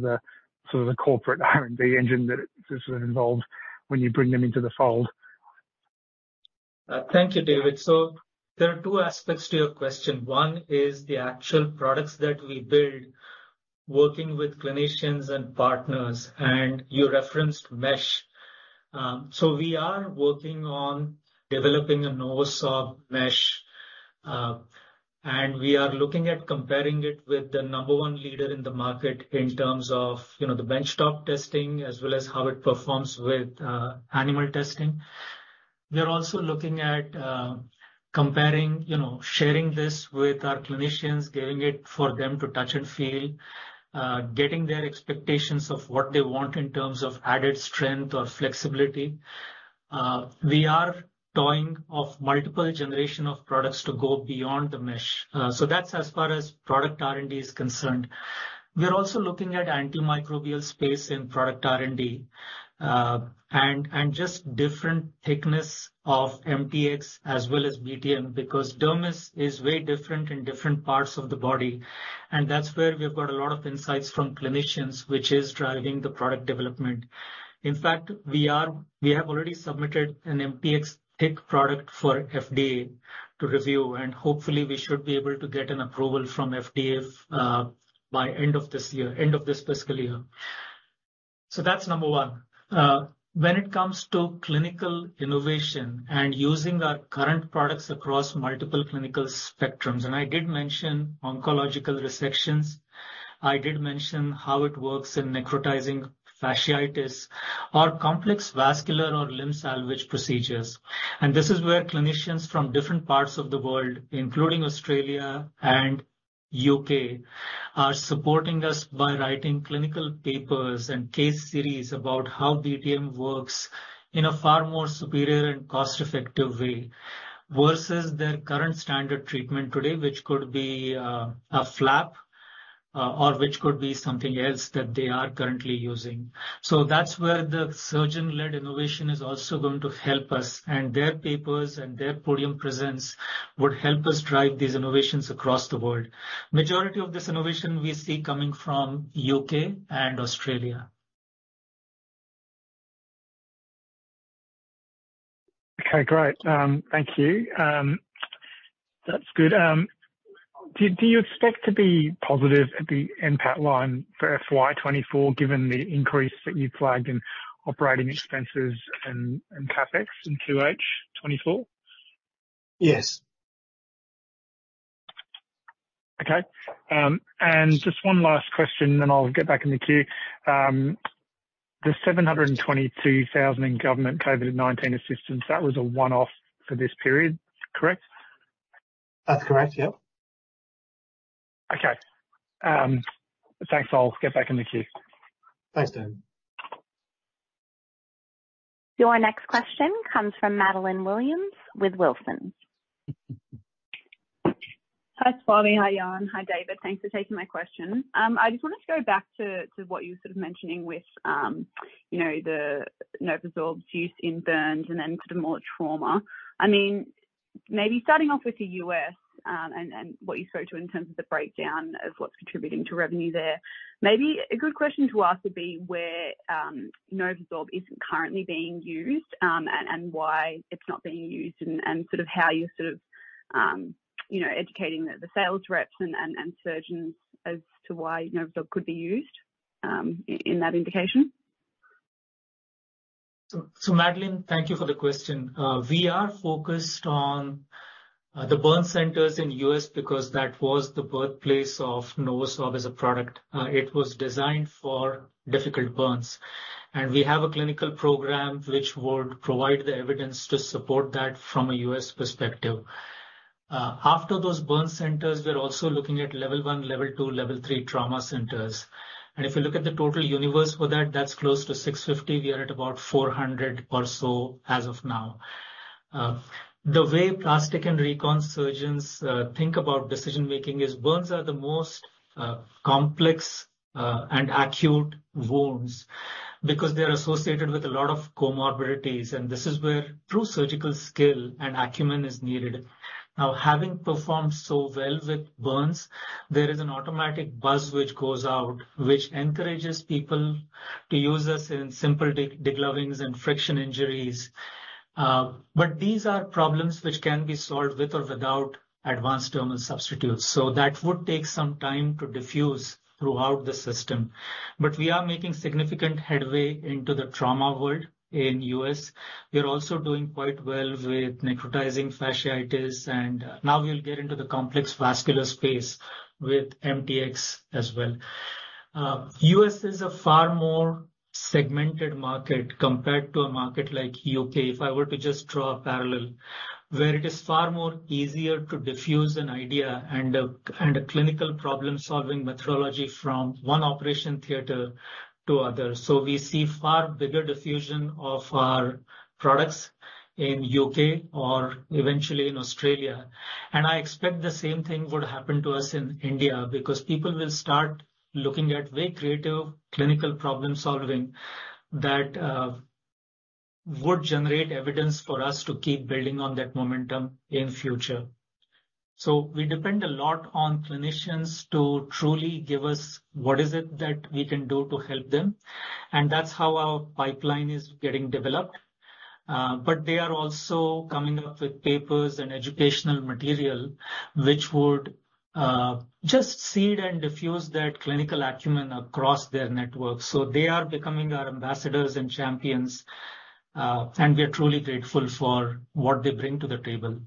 sort of the corporate R&D engine that this sort of involves when you bring them into the fold? Thank you, David. So there are two aspects to your question. One is the actual products that we build working with clinicians and partners. And you referenced mesh. So we are working on developing a NovoSorb mesh. And we are looking at comparing it with the number one leader in the market in terms of the bench-top testing as well as how it performs with animal testing. We are also looking at sharing this with our clinicians, giving it to them to touch and feel, getting their expectations of what they want in terms of added strength or flexibility. We are toying with multiple generations of products to go beyond the mesh. So that's as far as product R&D is concerned. We are also looking at antimicrobial space in product R&D and just different thickness of MTX as well as BTM because dermis is way different in different parts of the body. That's where we've got a lot of insights from clinicians, which is driving the product development. In fact, we have already submitted an MTX-thick product for FDA to review. Hopefully, we should be able to get an approval from FDA by end of this year, end of this fiscal year. That's number one. When it comes to clinical innovation and using our current products across multiple clinical spectrums and I did mention oncological resections. I did mention how it works in necrotizing fasciitis or complex vascular or limb salvage procedures. And this is where clinicians from different parts of the world, including Australia and U.K., are supporting us by writing clinical papers and case series about how BTM works in a far more superior and cost-effective way versus their current standard treatment today, which could be a flap or which could be something else that they are currently using. So that's where the surgeon-led innovation is also going to help us. And their papers and their podium presence would help us drive these innovations across the world. Majority of this innovation, we see coming from U.K. and Australia. Okay. Great. Thank you. That's good. Do you expect to be positive at the NPAT line for FY 2024 given the increase that you flagged in operating expenses and CapEx in 2H 2024? Yes. Okay. And just one last question, and then I'll get back in the queue. The 722,000 in government COVID-19 assistance, that was a one-off for this period, correct? That's correct. Yep. Okay. Thanks. I'll get back in the queue. Thanks, David. Your next question comes from Madeleine Williams with Wilsons. Hi, Swami. Hi, John. Hi, David. Thanks for taking my question. I just wanted to go back to what you were sort of mentioning with the NovoSorb's use in burns and then sort of more trauma. I mean, maybe starting off with the US and what you spoke to in terms of the breakdown of what's contributing to revenue there, maybe a good question to ask would be where NovoSorb isn't currently being used and why it's not being used and sort of how you're sort of educating the sales reps and surgeons as to why NovoSorb could be used in that indication. So, Madeleine, thank you for the question. We are focused on the burn centers in the U.S. because that was the birthplace of NovoSorb as a product. It was designed for difficult burns. And we have a clinical program which would provide the evidence to support that from a U.S. perspective. After those burn centers, we're also looking at level 1, level 2, level 3 trauma centers. And if you look at the total universe for that, that's close to 650. We are at about 400 or so as of now. The way plastic and recon surgeons think about decision-making is burns are the most complex and acute wounds because they are associated with a lot of comorbidities. And this is where true surgical skill and acumen is needed. Now, having performed so well with burns, there is an automatic buzz which goes out, which encourages people to use us in simple deglovings and friction injuries. But these are problems which can be solved with or without advanced dermal substitutes. So that would take some time to diffuse throughout the system. But we are making significant headway into the trauma world in the U.S. We are also doing quite well with Necrotizing Fasciitis. And now, we'll get into the complex vascular space with MTX as well. U.S. is a far more segmented market compared to a market like the U.K., if I were to just draw a parallel, where it is far more easier to diffuse an idea and a clinical problem-solving methodology from one operation theater to other. So we see far bigger diffusion of our products in the U.K. or eventually in Australia. And I expect the same thing would happen to us in India because people will start looking at very creative clinical problem-solving that would generate evidence for us to keep building on that momentum in the future. So we depend a lot on clinicians to truly give us what is it that we can do to help them. And that's how our pipeline is getting developed. But they are also coming up with papers and educational material which would just seed and diffuse that clinical acumen across their network. So they are becoming our ambassadors and champions. And we are truly grateful for what they bring to the table.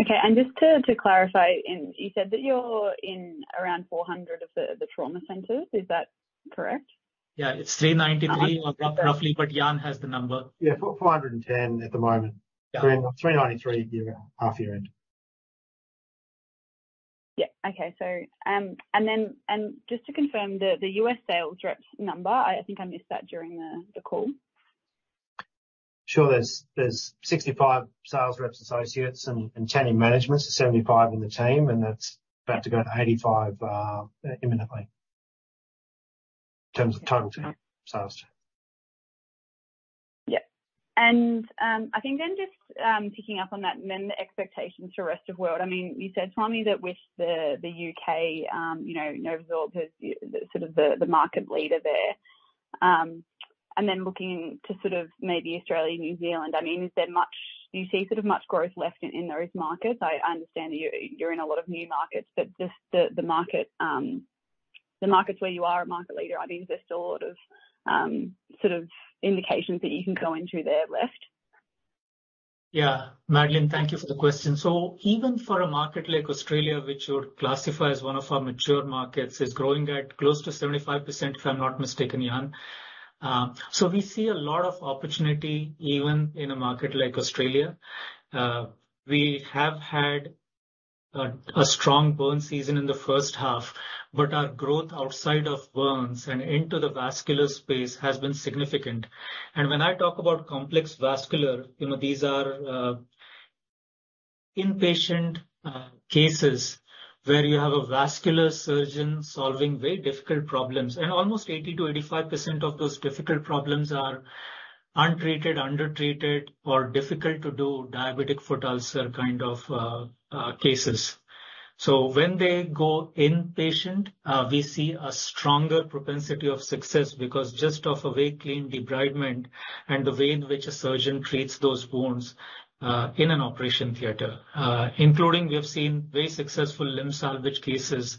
Okay. And just to clarify, you said that you're in around 400 of the trauma centers. Is that correct? Yeah. It's 393 roughly. But John has the number. Yeah. 410 at the moment. 393 half-year-end. Yeah. Okay. And just to confirm the U.S. sales reps number, I think I missed that during the call. Sure. There's 65 sales reps, associates and 10 in management. So 75 in the team. That's about to go to 85 imminently in terms of total sales. Yep. I think then just picking up on that, then the expectations for the rest of the world. I mean, you said, Swami, that with the UK, NovoSorb is sort of the market leader there. Then looking to sort of maybe Australia and New Zealand, I mean, do you see sort of much growth left in those markets? I understand that you're in a lot of new markets. But the markets where you are a market leader, I mean, is there still a lot of sort of indications that you can go into there left? Yeah. Madeleine, thank you for the question. So even for a market like Australia, which you would classify as one of our mature markets, is growing at close to 75%, if I'm not mistaken, John. So we see a lot of opportunity even in a market like Australia. We have had a strong burn season in the first half. But our growth outside of burns and into the vascular space has been significant. And when I talk about complex vascular, these are inpatient cases where you have a vascular surgeon solving very difficult problems. And almost 80%-85% of those difficult problems are untreated, undertreated, or difficult-to-do diabetic foot ulcer kind of cases. So when they go inpatient, we see a stronger propensity of success because just of a very clean debridement and the way in which a surgeon treats those wounds in an operating theater, including we have seen very successful limb salvage cases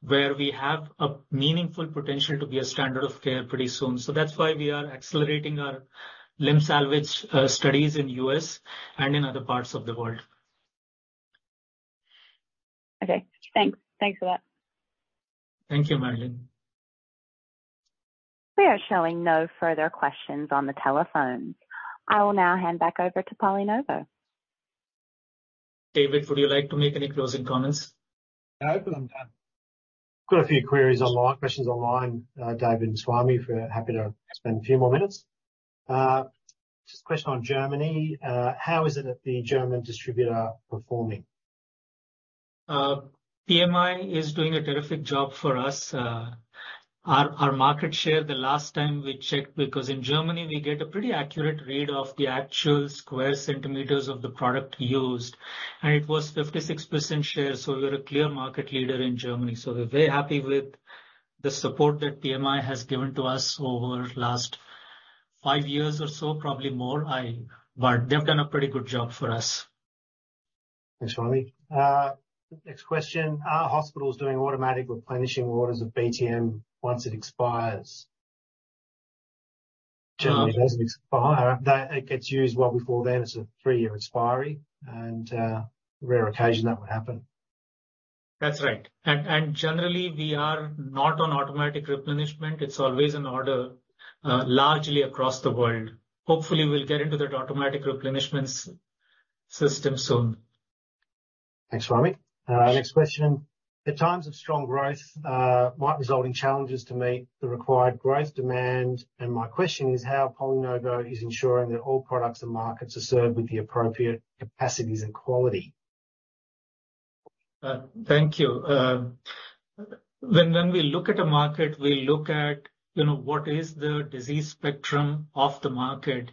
where we have a meaningful potential to be a standard of care pretty soon. So that's why we are accelerating our limb salvage studies in the U.S. and in other parts of the world. Okay. Thanks. Thanks for that. Thank you, Madeleine. We are showing no further questions on the telephone. I will now hand back over to PolyNovo. David, would you like to make any closing comments? Yeah. I've got a few queries online, questions online. David and Swami, happy to spend a few more minutes. Just a question on Germany. How is it that the German distributor performing? PMI is doing a terrific job for us. Our market share, the last time we checked because in Germany, we get a pretty accurate read of the actual square centimeters of the product used, was 56% share. We were a clear market leader in Germany. We're very happy with the support that PMI has given to us over the last five years or so, probably more. But they've done a pretty good job for us. Thanks, Swami. Next question. Our hospital is doing automatic replenishing orders of BTM once it expires. Generally, it gets used well before then. It's a three-year expiry. Rare occasions that would happen. That's right. Generally, we are not on automatic replenishment. It's always in order largely across the world. Hopefully, we'll get into that automatic replenishment system soon. Thanks, Swami. Next question. At times of strong growth, it might result in challenges to meet the required growth demand. My question is, how PolyNovo is ensuring that all products and markets are served with the appropriate capacities and quality? Thank you. When we look at a market, we look at what is the disease spectrum of the market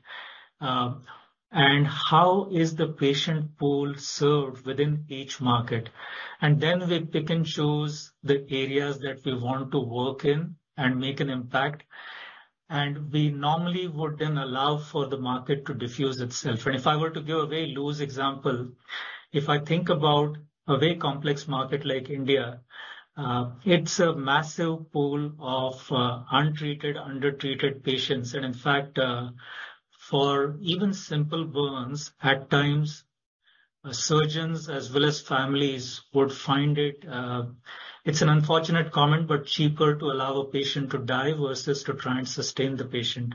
and how is the patient pool served within each market. And then we pick and choose the areas that we want to work in and make an impact. And we normally would then allow for the market to diffuse itself. And if I were to give a very loose example, if I think about a very complex market like India, it's a massive pool of untreated, undertreated patients. And in fact, for even simple burns, at times, surgeons as well as families would find it, it's an unfortunate comment, but cheaper to allow a patient to die versus to try and sustain the patient.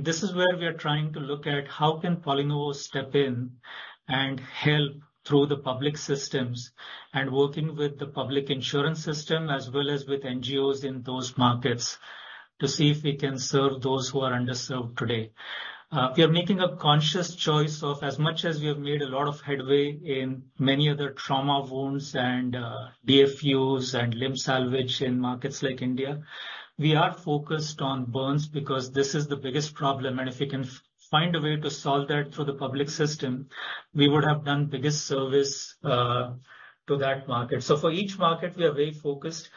This is where we are trying to look at how can PolyNovo step in and help through the public systems and working with the public insurance system as well as with NGOs in those markets to see if we can serve those who are underserved today. We are making a conscious choice of as much as we have made a lot of headway in many other trauma wounds and DFUs and limb salvage in markets like India, we are focused on burns because this is the biggest problem. If we can find a way to solve that through the public system, we would have done the biggest service to that market. For each market, we are very focused.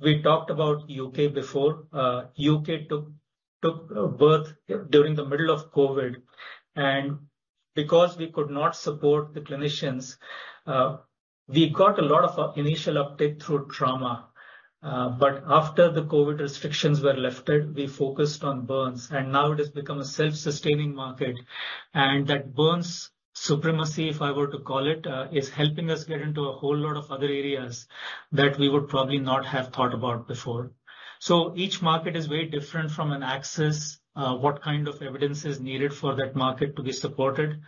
We talked about the UK before. The UK took birth during the middle of COVID. And because we could not support the clinicians, we got a lot of initial uptake through trauma. But after the COVID restrictions were lifted, we focused on burns. And now, it has become a self-sustaining market. And that burn supremacy, if I were to call it, is helping us get into a whole lot of other areas that we would probably not have thought about before. So each market is very different from an access, what kind of evidence is needed for that market to be supported,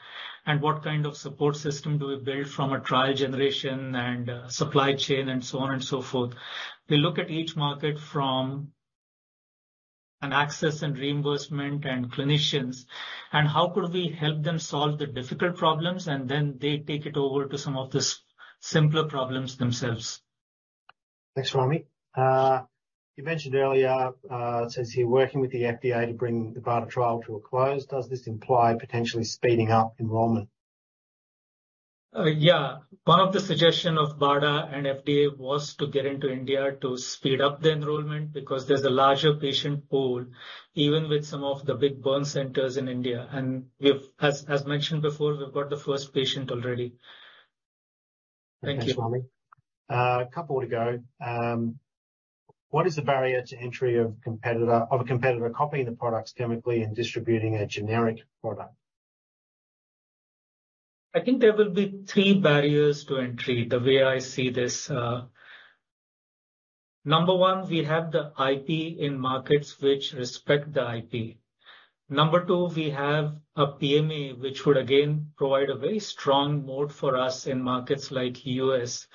and what kind of support system do we build from a trial generation and supply chain and so on and so forth. We look at each market from an access and reimbursement and clinicians and how could we help them solve the difficult problems. And then they take it over to some of the simpler problems themselves. Thanks, Swami. You mentioned earlier, it says here, "Working with the FDA to bring the BARDA trial to a close. Does this imply potentially speeding up enrollment? Yeah. One of the suggestions of BARDA and FDA was to get into India to speed up the enrollment because there's a larger patient pool even with some of the big burn centers in India. And as mentioned before, we've got the first patient already. Thank you. Thanks, Swami. A couple to go. What is the barrier to entry of a competitor copying the products chemically and distributing a generic product? I think there will be three barriers to entry the way I see this. Number one, we have the IP in markets which respect the IP. Number two, we have a PMA which would, again, provide a very strong moat for us in markets like the U.S.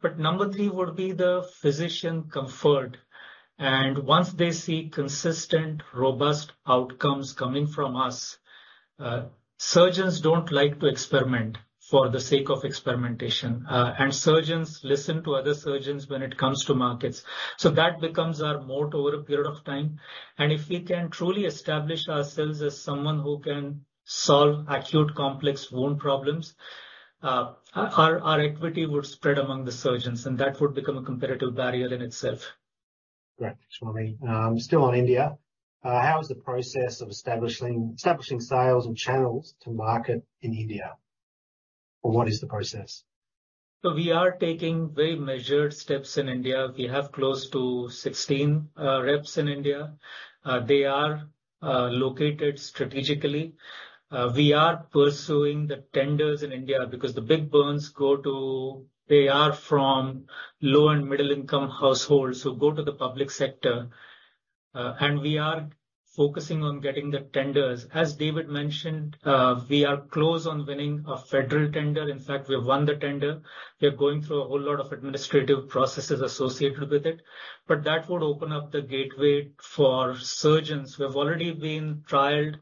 But number three would be the physician comfort. And once they see consistent, robust outcomes coming from us, surgeons don't like to experiment for the sake of experimentation. And surgeons listen to other surgeons when it comes to markets. So that becomes our moat over a period of time. And if we can truly establish ourselves as someone who can solve acute complex wound problems, our equity would spread among the surgeons. And that would become a competitive barrier in itself. Great. Thanks, Swami. Still on India. How is the process of establishing sales and channels to market in India? Or what is the process? So we are taking very measured steps in India. We have close to 16 reps in India. They are located strategically. We are pursuing the tenders in India because the big burns go to they are from low and middle-income households who go to the public sector. And we are focusing on getting the tenders. As David mentioned, we are close on winning a federal tender. In fact, we have won the tender. We are going through a whole lot of administrative processes associated with it. But that would open up the gateway for surgeons. We have already been trialed,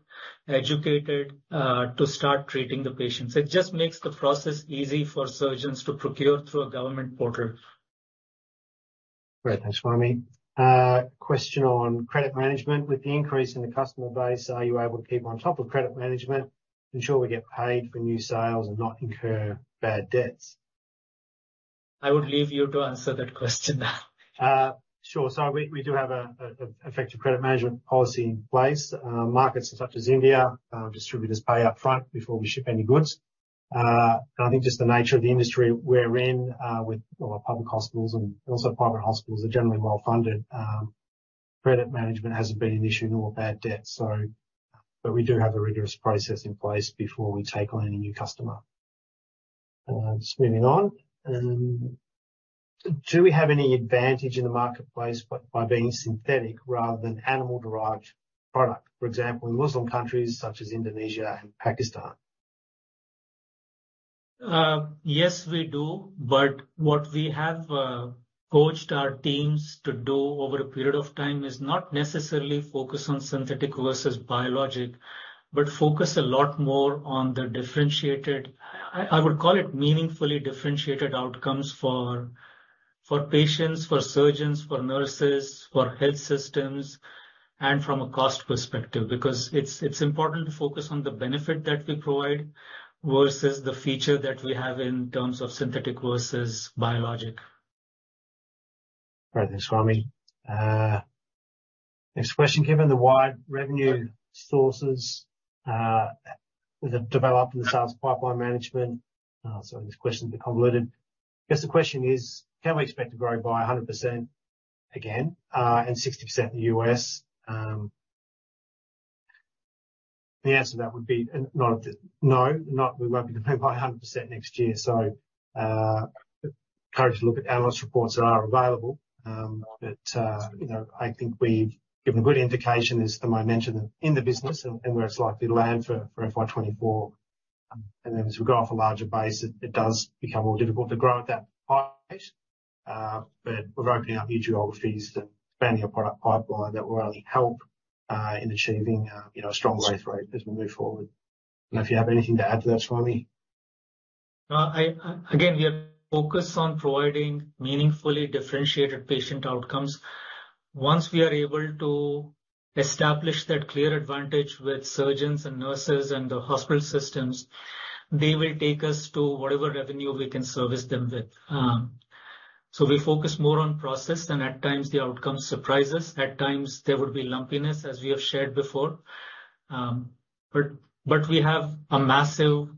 educated to start treating the patients. It just makes the process easy for surgeons to procure through a government portal. Great. Thanks, Swami. Question on credit management. With the increase in the customer base, are you able to keep on top of credit management, ensure we get paid for new sales, and not incur bad debts? I would leave you to answer that question now. Sure. We do have an effective credit management policy in place. Markets such as India, distributors pay upfront before we ship any goods. I think just the nature of the industry we're in with public hospitals and also private hospitals are generally well-funded. Credit management hasn't been an issue nor bad debt, so. We do have a rigorous process in place before we take on any new customer. Just moving on. Do we have any advantage in the marketplace by being synthetic rather than animal-derived product, for example, in Muslim countries such as Indonesia and Pakistan? Yes, we do. What we have coached our teams to do over a period of time is not necessarily focus on synthetic versus biologic but focus a lot more on the differentiated, I would call it, meaningfully differentiated outcomes for patients, for surgeons, for nurses, for health systems, and from a cost perspective because it's important to focus on the benefit that we provide versus the feature that we have in terms of synthetic versus biologic. Great. Thanks, Swami. Next question. Given the wide revenue sources that have developed in the sales pipeline management sorry, this question's a bit convoluted. I guess the question is, can we expect to grow by 100% again and 60% in the U.S.? The answer to that would be no. We won't be growing by 100% next year. So I encourage you to look at analyst reports that are available. But I think we've given a good indication, as the momentum in the business and where it's likely to land for FY 2024. And then as we go off a larger base, it does become more difficult to grow at that height. But we're opening up new geographies and expanding our product pipeline that will only help in achieving a strong growth rate as we move forward. I don't know if you have anything to add to that, Swami. Again, we are focused on providing meaningfully differentiated patient outcomes. Once we are able to establish that clear advantage with surgeons and nurses and the hospital systems, they will take us to whatever revenue we can service them with. So we focus more on process. And at times, the outcome surprises. At times, there would be lumpiness, as we have shared before. But we have a massive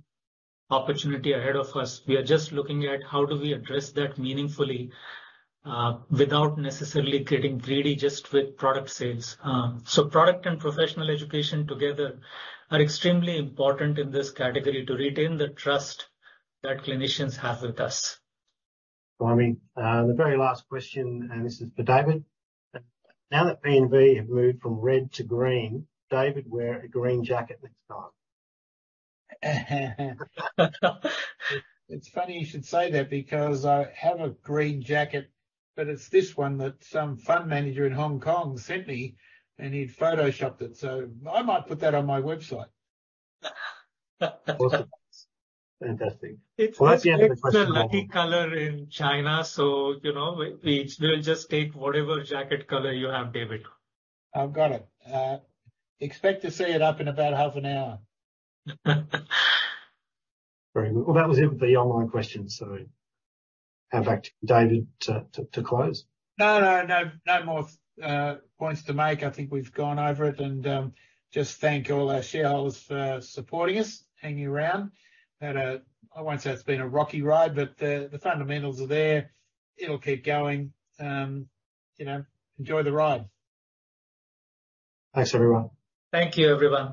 opportunity ahead of us. We are just looking at how do we address that meaningfully without necessarily getting greedy just with product sales. So product and professional education together are extremely important in this category to retain the trust that clinicians have with us. Swami, the very last question. This is for David. Now that PNV have moved from red to green, David, wear a green jacket next time. It's funny you should say that because I have a green jacket. But it's this one that some fund manager in Hong Kong sent me. And he'd Photoshopped it. So I might put that on my website. Awesome. Fantastic. Well, that's the answer to the question. It's the lucky color in China. So we'll just take whatever jacket color you have, David. I've got it. Expect to see it up in about half an hour. Very good. Well, that was it with the online questions. So I'll hand back to David to close. No, no, no. No more points to make. I think we've gone over it. And just thank all our shareholders for supporting us, hanging around. I won't say it's been a rocky ride. But the fundamentals are there. It'll keep going. Enjoy the ride. Thanks, everyone. Thank you, everyone.